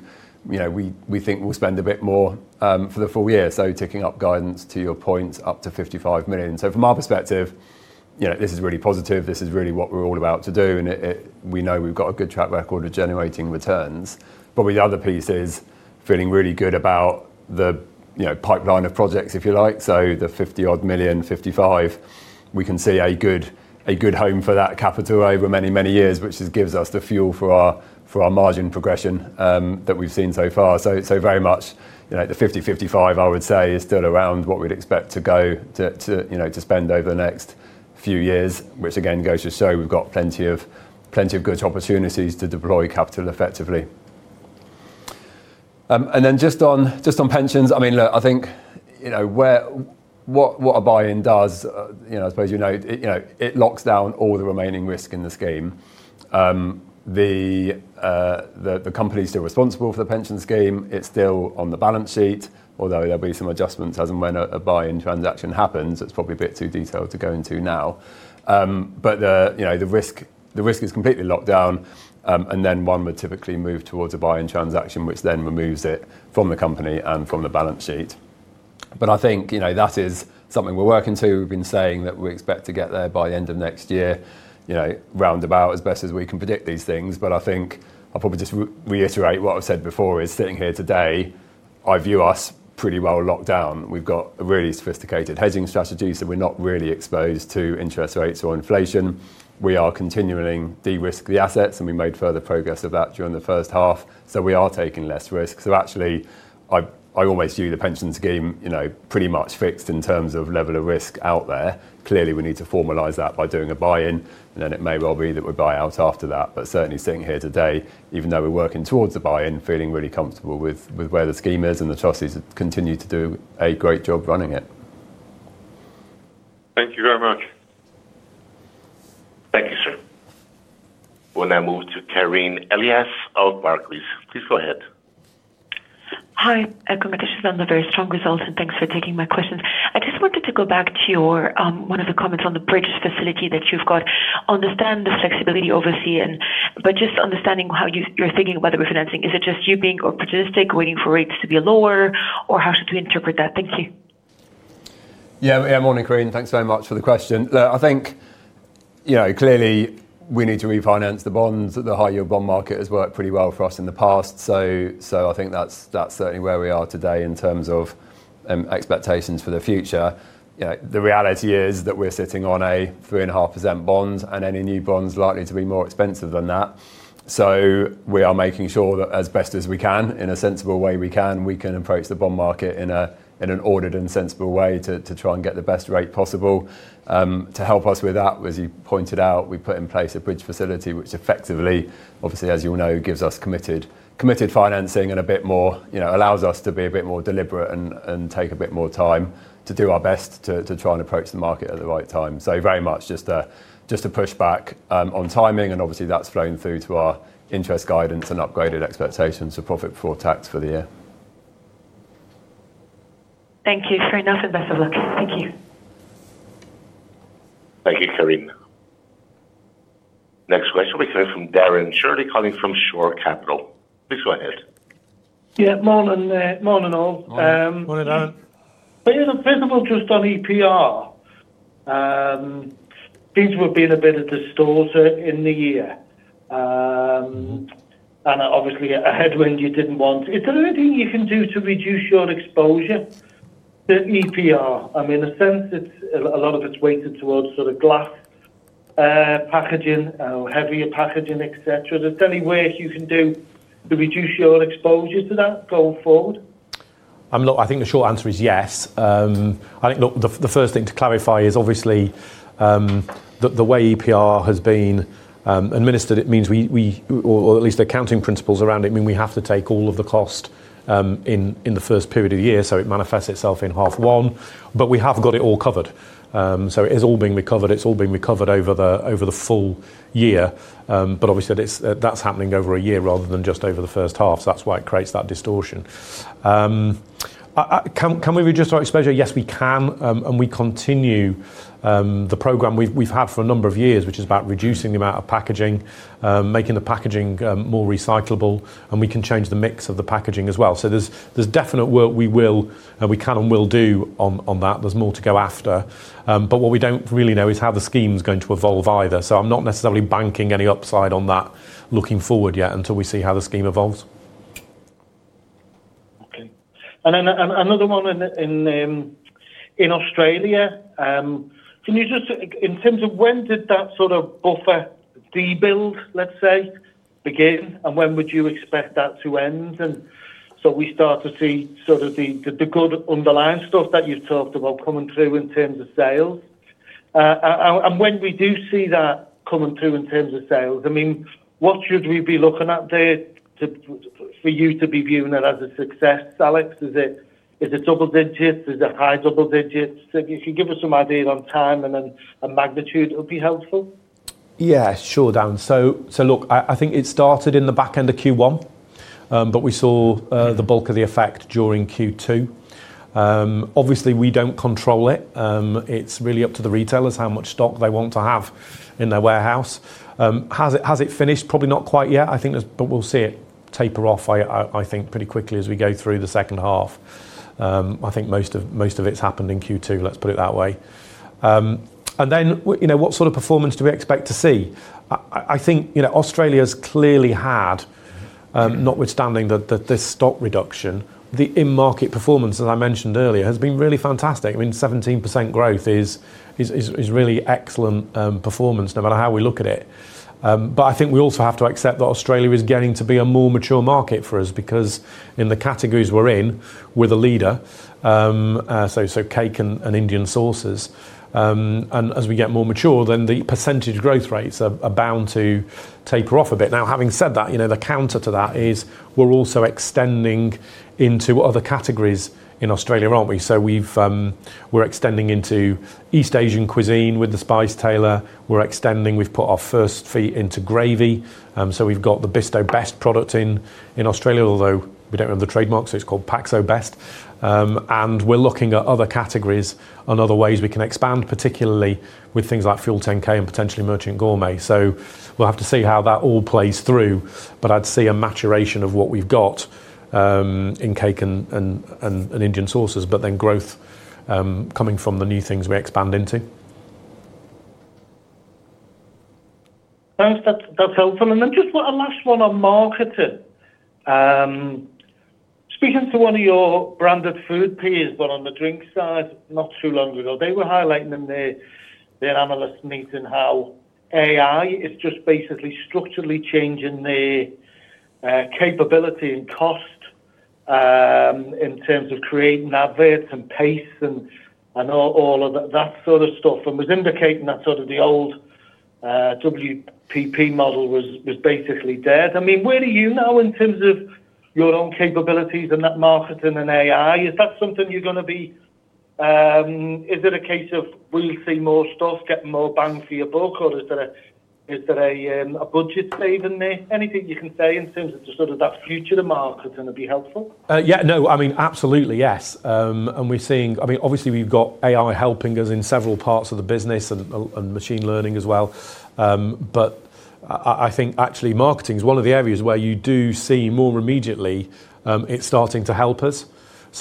think we'll spend a bit more for the full year. Ticking up guidance, to your point, up to 55 million. From our perspective, this is really positive. This is really what we're all about to do. We know we've got a good track record of generating returns. The other piece is feeling really good about the pipeline of projects, if you like. The 50-odd million, 55, we can see a good home for that capital over many, many years, which just gives us the fuel for our margin progression that we've seen so far. Very much the 50/55, I would say, is still around what we'd expect to go to spend over the next few years, which again goes to show we've got plenty of good opportunities to deploy capital effectively. Just on pensions, I mean, look, I think what a buy-in does, I suppose you know it locks down all the remaining risk in the scheme. The company's still responsible for the pension scheme. It's still on the balance sheet, although there'll be some adjustments as and when a buy-in transaction happens. It's probably a bit too detailed to go into now. The risk is completely locked down. One would typically move towards a buy-in transaction, which then removes it from the company and from the balance sheet. I think that is something we're working to. We've been saying that we expect to get there by the end of next year, roundabout, as best as we can predict these things. I think I'll probably just reiterate what I've said before is sitting here today, I view us pretty well locked down. We've got a really sophisticated hedging strategy, so we're not really exposed to interest rates or inflation. We are continuing to de-risk the assets, and we made further progress of that during the first half. We are taking less risk. I always view the pension scheme pretty much fixed in terms of level of risk out there. Clearly, we need to formalize that by doing a buy-in, and then it may well be that we buy out after that. Certainly sitting here today, even though we're working towards a buy-in, feeling really comfortable with where the scheme is, and the trustees continue to do a great job running it. Thank you very much. Thank you, sir. We'll now move to Karine Elias of Barclays. Please go ahead. Hi, congratulations on a very strong result, and thanks for taking my questions. I just wanted to go back to one of the comments on the bridge facility that you've got. Understand the flexibility overseas, but just understanding how you're thinking about the refinancing. Is it just you being opportunistic, waiting for rates to be lower, or how should we interpret that? Thank you. Yeah, morning, Karine. Thanks very much for the question. Look, I think clearly we need to refinance the bonds. The high-yield bond market has worked pretty well for us in the past. I think that's certainly where we are today in terms of expectations for the future. The reality is that we're sitting on a 3.5% bond, and any new bond's likely to be more expensive than that. We are making sure that as best as we can, in a sensible way we can, we can approach the bond market in an ordered and sensible way to try and get the best rate possible. To help us with that, as you pointed out, we put in place a bridge facility, which effectively, obviously, as you'll know, gives us committed financing and allows us to be a bit more deliberate and take a bit more time to do our best to try and approach the market at the right time. Very much just a pushback on timing, and obviously that's flowing through to our interest guidance and upgraded expectations for profit before tax for the year. Thank you. Fair enough. And best of luck. Thank you. Thank you, Karine. Next question, we're hearing from Darren Shirley calling from Shore Capital. Please go ahead. Yeah, morning all. Morning, Darren. Is it feasible just on EPR? Things were being a bit of a disorder in the year. Obviously, a headwind you did not want. Is there anything you can do to reduce your exposure to EPR? I mean, in a sense, a lot of it is weighted towards sort of glass packaging, heavier packaging, etc. Is there any way you can do to reduce your exposure to that going forward? I think the short answer is yes. I think the first thing to clarify is obviously that the way EPR has been administered, it means we, or at least the accounting principles around it, mean we have to take all of the cost in the first period of the year. It manifests itself in half one, but we have got it all covered. It is all being recovered. It's all being recovered over the full year. Obviously, that's happening over a year rather than just over the first half. That is why it creates that distortion. Can we reduce our exposure? Yes, we can. We continue the programme we've had for a number of years, which is about reducing the amount of packaging, making the packaging more recyclable, and we can change the mix of the packaging as well. There's definite work we can and will do on that. There's more to go after. What we don't really know is how the scheme's going to evolve either. I'm not necessarily banking any upside on that looking forward yet until we see how the scheme evolves. Okay. Another one in Australia. In terms of when did that sort of buffer debuild, let's say, begin? When would you expect that to end? We start to see the good underlying stuff that you've talked about coming through in terms of sales. When we do see that coming through in terms of sales, I mean, what should we be looking at there for you to be viewing it as a success, Alex? Is it double digits? Is it high double digits? If you can give us some idea on time and then a magnitude, it would be helpful. Yeah, sure, Darren. So look, I think it started in the back end of Q1, but we saw the bulk of the effect during Q2. Obviously, we do not control it. It is really up to the retailers how much stock they want to have in their warehouse. Has it finished? Probably not quite yet. I think we will see it taper off, I think, pretty quickly as we go through the second half. I think most of it has happened in Q2, let us put it that way. And then what sort of performance do we expect to see? I think Australia has clearly had, notwithstanding the stock reduction, the in-market performance, as I mentioned earlier, has been really fantastic. I mean, 17% growth is really excellent performance, no matter how we look at it. I think we also have to accept that Australia is getting to be a more mature market for us because in the categories we're in, we're the leader, so cake and Indian sauces. As we get more mature, then the percentage growth rates are bound to taper off a bit. Having said that, the counter to that is we're also extending into other categories in Australia, aren't we? We're extending into East Asian cuisine with The Spice Tailor. We're extending. We've put our first feet into gravy. We've got the Bisto Best product in Australia, although we don't have the trademark, so it's called Pacso Best. We're looking at other categories and other ways we can expand, particularly with things like Fuel10K and potentially Merchant Gourmet. We'll have to see how that all plays through. I'd see a maturation of what we've got in cake and Indian sauces, but then growth coming from the new things we expand into. Thanks. That's helpful. And then just a last one on marketing. Speaking to one of your branded food is one on the drink side, not too long ago. They were highlighting in their analyst meeting how AI is just basically structurally changing the capability and cost in terms of creating adverts and pace and all of that sort of stuff. And was indicating that sort of the old WPP model was basically dead. I mean, where do you know in terms of your own capabilities and that marketing and AI? Is that something you're going to be? Is it a case of we'll see more stuff, get more bang for your buck, or is there a budget saving there? Anything you can say in terms of sort of that future of marketing would be helpful? Yeah, no. I mean, absolutely, yes. And we're seeing, I mean, obviously we've got AI helping us in several parts of the business and machine learning as well. But I think actually marketing is one of the areas where you do see more immediately it's starting to help us.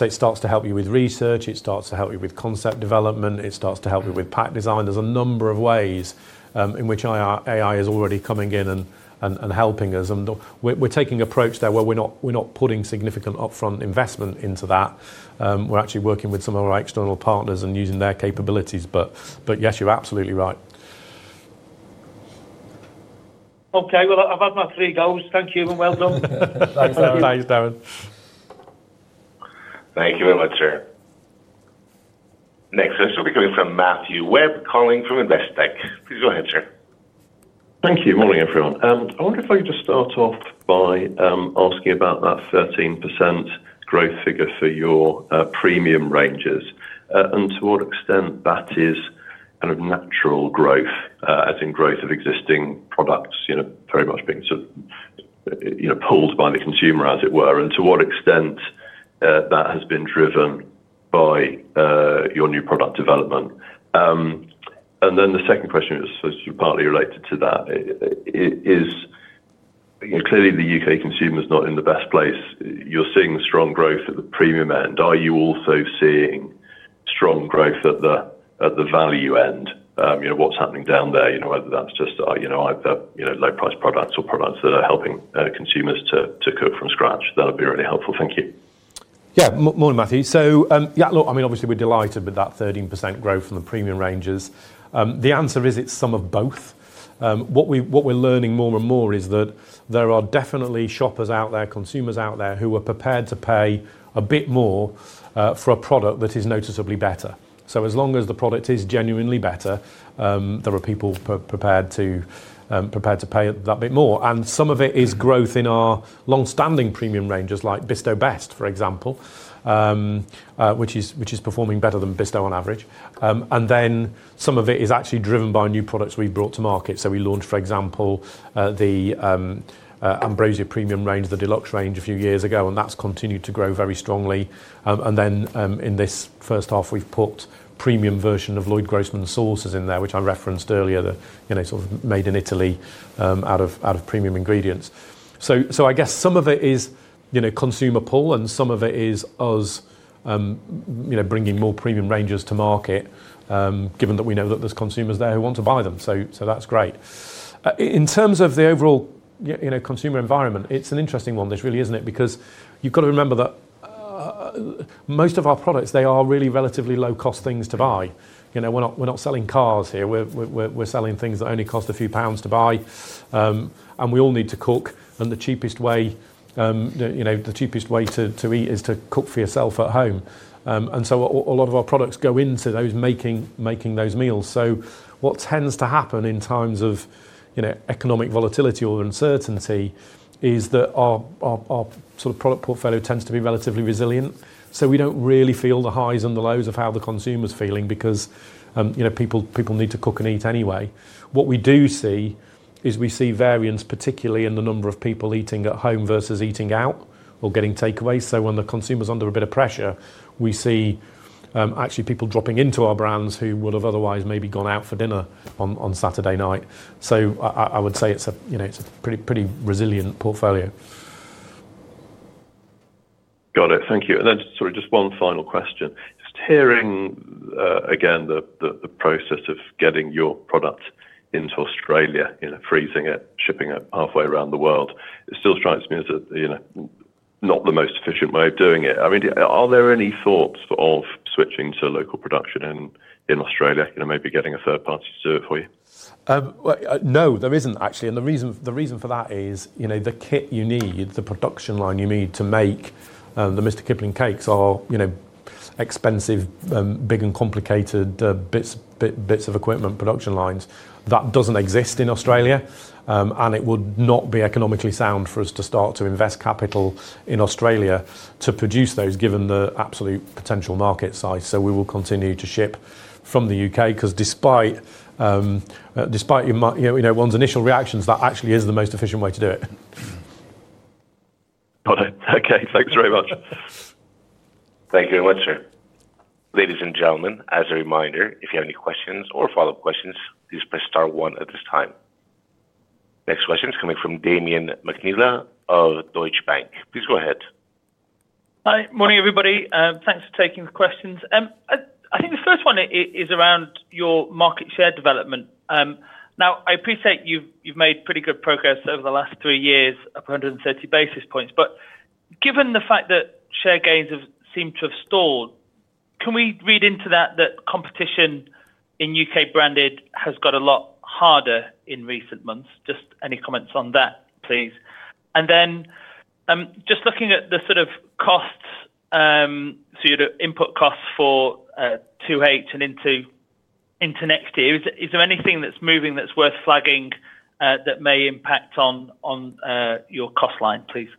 It starts to help you with research. It starts to help you with concept development. It starts to help you with pack design. There's a number of ways in which AI is already coming in and helping us. And we're taking an approach there where we're not putting significant upfront investment into that. We're actually working with some of our external partners and using their capabilities. But yes, you're absolutely right. Okay. I've had my three goals. Thank you and well done. Thanks, Darren. Thank you very much, sir. Next question will be coming from Matthew Webb calling from Investec. Please go ahead, sir. Thank you. Morning, everyone. I wonder if I could just start off by asking about that 13% growth figure for your premium ranges and to what extent that is kind of natural growth, as in growth of existing products very much being sort of pulled by the consumer, as it were, and to what extent that has been driven by your new product development. The second question, which is partly related to that, is clearly the U.K. consumer's not in the best place. You're seeing strong growth at the premium end. Are you also seeing strong growth at the value end? What's happening down there, whether that's just either low-priced products or products that are helping consumers to cook from scratch? That'll be really helpful. Thank you. Yeah, morning, Matthew. So yeah, look, I mean, obviously we're delighted with that 13% growth from the premium ranges. The answer is it's some of both. What we're learning more and more is that there are definitely shoppers out there, consumers out there who are prepared to pay a bit more for a product that is noticeably better. As long as the product is genuinely better, there are people prepared to pay that bit more. Some of it is growth in our long-standing premium ranges, like Bisto Best, for example, which is performing better than Bisto on average. Some of it is actually driven by new products we've brought to market. We launched, for example, the Ambrosia Premium Range, the Deluxe Range, a few years ago, and that's continued to grow very strongly. In this first half, we've put a premium version of Lloyd Grossman sauces in there, which I referenced earlier, that is made in Italy out of premium ingredients. I guess some of it is consumer pull, and some of it is us bringing more premium ranges to market, given that we know that there are consumers who want to buy them. That is great. In terms of the overall consumer environment, it is an interesting one, really, is it not? You have to remember that most of our products are really relatively low-cost things to buy. We are not selling cars here. We are selling things that only cost a few pounds to buy. We all need to cook, and the cheapest way to eat is to cook for yourself at home. A lot of our products go into making those meals. What tends to happen in times of economic volatility or uncertainty is that our sort of product portfolio tends to be relatively resilient. We do not really feel the highs and the lows of how the consumer's feeling because people need to cook and eat anyway. What we do see is we see variance, particularly in the number of people eating at home versus eating out or getting takeaways. When the consumer's under a bit of pressure, we see actually people dropping into our brands who would have otherwise maybe gone out for dinner on Saturday night. I would say it is a pretty resilient portfolio. Got it. Thank you. Just one final question. Just hearing again the process of getting your product into Australia, freezing it, shipping it halfway around the world, it still strikes me as not the most efficient way of doing it. I mean, are there any thoughts of switching to local production in Australia, maybe getting a third party to do it for you? No, there isn't, actually. The reason for that is the kit you need, the production line you need to make the Mr Kipling cakes are expensive, big and complicated bits of equipment, production lines. That doesn't exist in Australia, and it would not be economically sound for us to start to invest capital in Australia to produce those given the absolute potential market size. We will continue to ship from the U.K. because despite one's initial reactions, that actually is the most efficient way to do it. Got it. Okay. Thanks very much. Thank you very much, sir. Ladies and gentlemen, as a reminder, if you have any questions or follow-up questions, please press star one at this time. Next question is coming from Damian McNeela of Deutsche Bank. Please go ahead. Hi. Morning, everybody. Thanks for taking the questions. I think the first one is around your market share development. Now, I appreciate you've made pretty good progress over the last three years of 130 basis points. Given the fact that share gains have seemed to have stalled, can we read into that that competition in U.K. branded has got a lot harder in recent months? Just any comments on that, please. Just looking at the sort of costs, so your input costs for 2H and into next year, is there anything that's moving that's worth flagging that may impact on your cost line, please?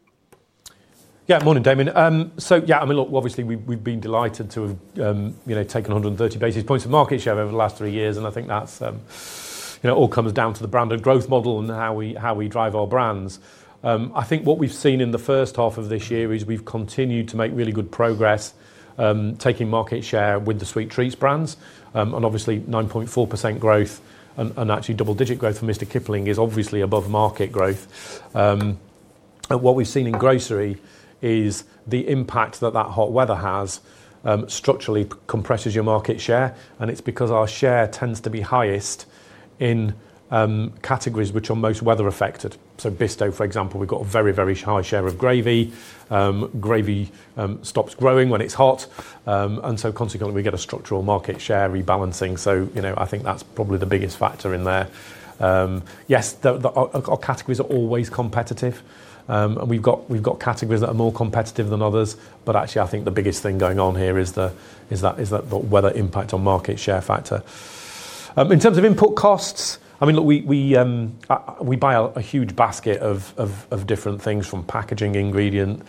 Yeah. Morning, Damian. Yeah, I mean, look, obviously we've been delighted to have taken 130 basis points of market share over the last three years. I think that all comes down to the branded growth model and how we drive our brands. I think what we've seen in the first half of this year is we've continued to make really good progress taking market share with the Sweet Treats brands. Obviously, 9.4% growth and actually double-digit growth for Mr Kipling is obviously above market growth. What we've seen in grocery is the impact that that hot weather has structurally compresses your market share. It is because our share tends to be highest in categories which are most weather-affected. For example, Bisto, we've got a very, very high share of gravy. Gravy stops growing when it's hot. Consequently, we get a structural market share rebalancing. I think that's probably the biggest factor in there. Yes, our categories are always competitive. We've got categories that are more competitive than others. Actually, I think the biggest thing going on here is that weather impact on market share factor. In terms of input costs, I mean, look, we buy a huge basket of different things from packaging to ingredients.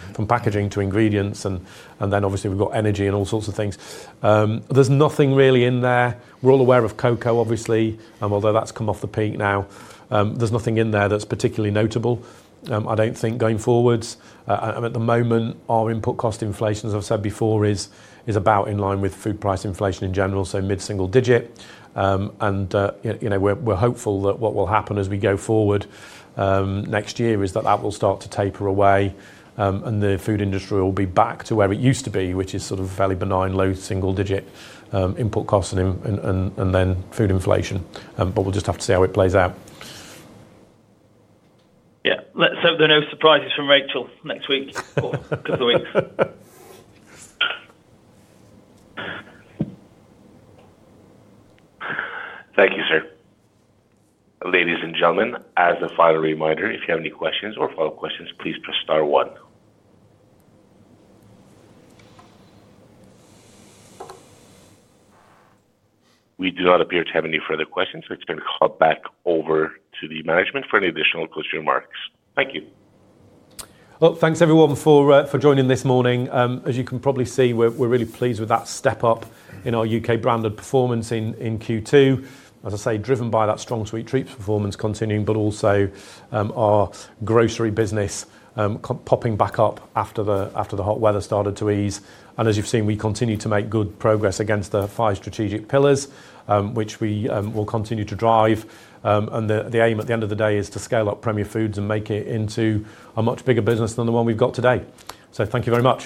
Obviously, we've got energy and all sorts of things. There's nothing really in there. We're all aware of cocoa, obviously. Although that's come off the peak now, there's nothing in there that's particularly notable. I don't think going forwards. At the moment, our input cost inflation, as I've said before, is about in line with food price inflation in general, so mid-single digit. We're hopeful that what will happen as we go forward next year is that that will start to taper away. The food industry will be back to where it used to be, which is sort of fairly benign, low single-digit input costs and then food inflation. We'll just have to see how it plays out. Yeah. So there are no surprises from Rachel next week or a couple of weeks. Thank you, sir. Ladies and gentlemen, as a final reminder, if you have any questions or follow-up questions, please press star one. We do not appear to have any further questions. So it is being called back over to the management for any additional closing remarks. Thank you. Thank you, everyone, for joining this morning. As you can probably see, we're really pleased with that step up in our U.K. branded performance in Q2. As I say, driven by that strong Sweet Treats performance continuing, but also our grocery business popping back up after the hot weather started to ease. As you've seen, we continue to make good progress against the five strategic pillars, which we will continue to drive. The aim at the end of the day is to scale up Premier Foods and make it into a much bigger business than the one we've got today. Thank you very much.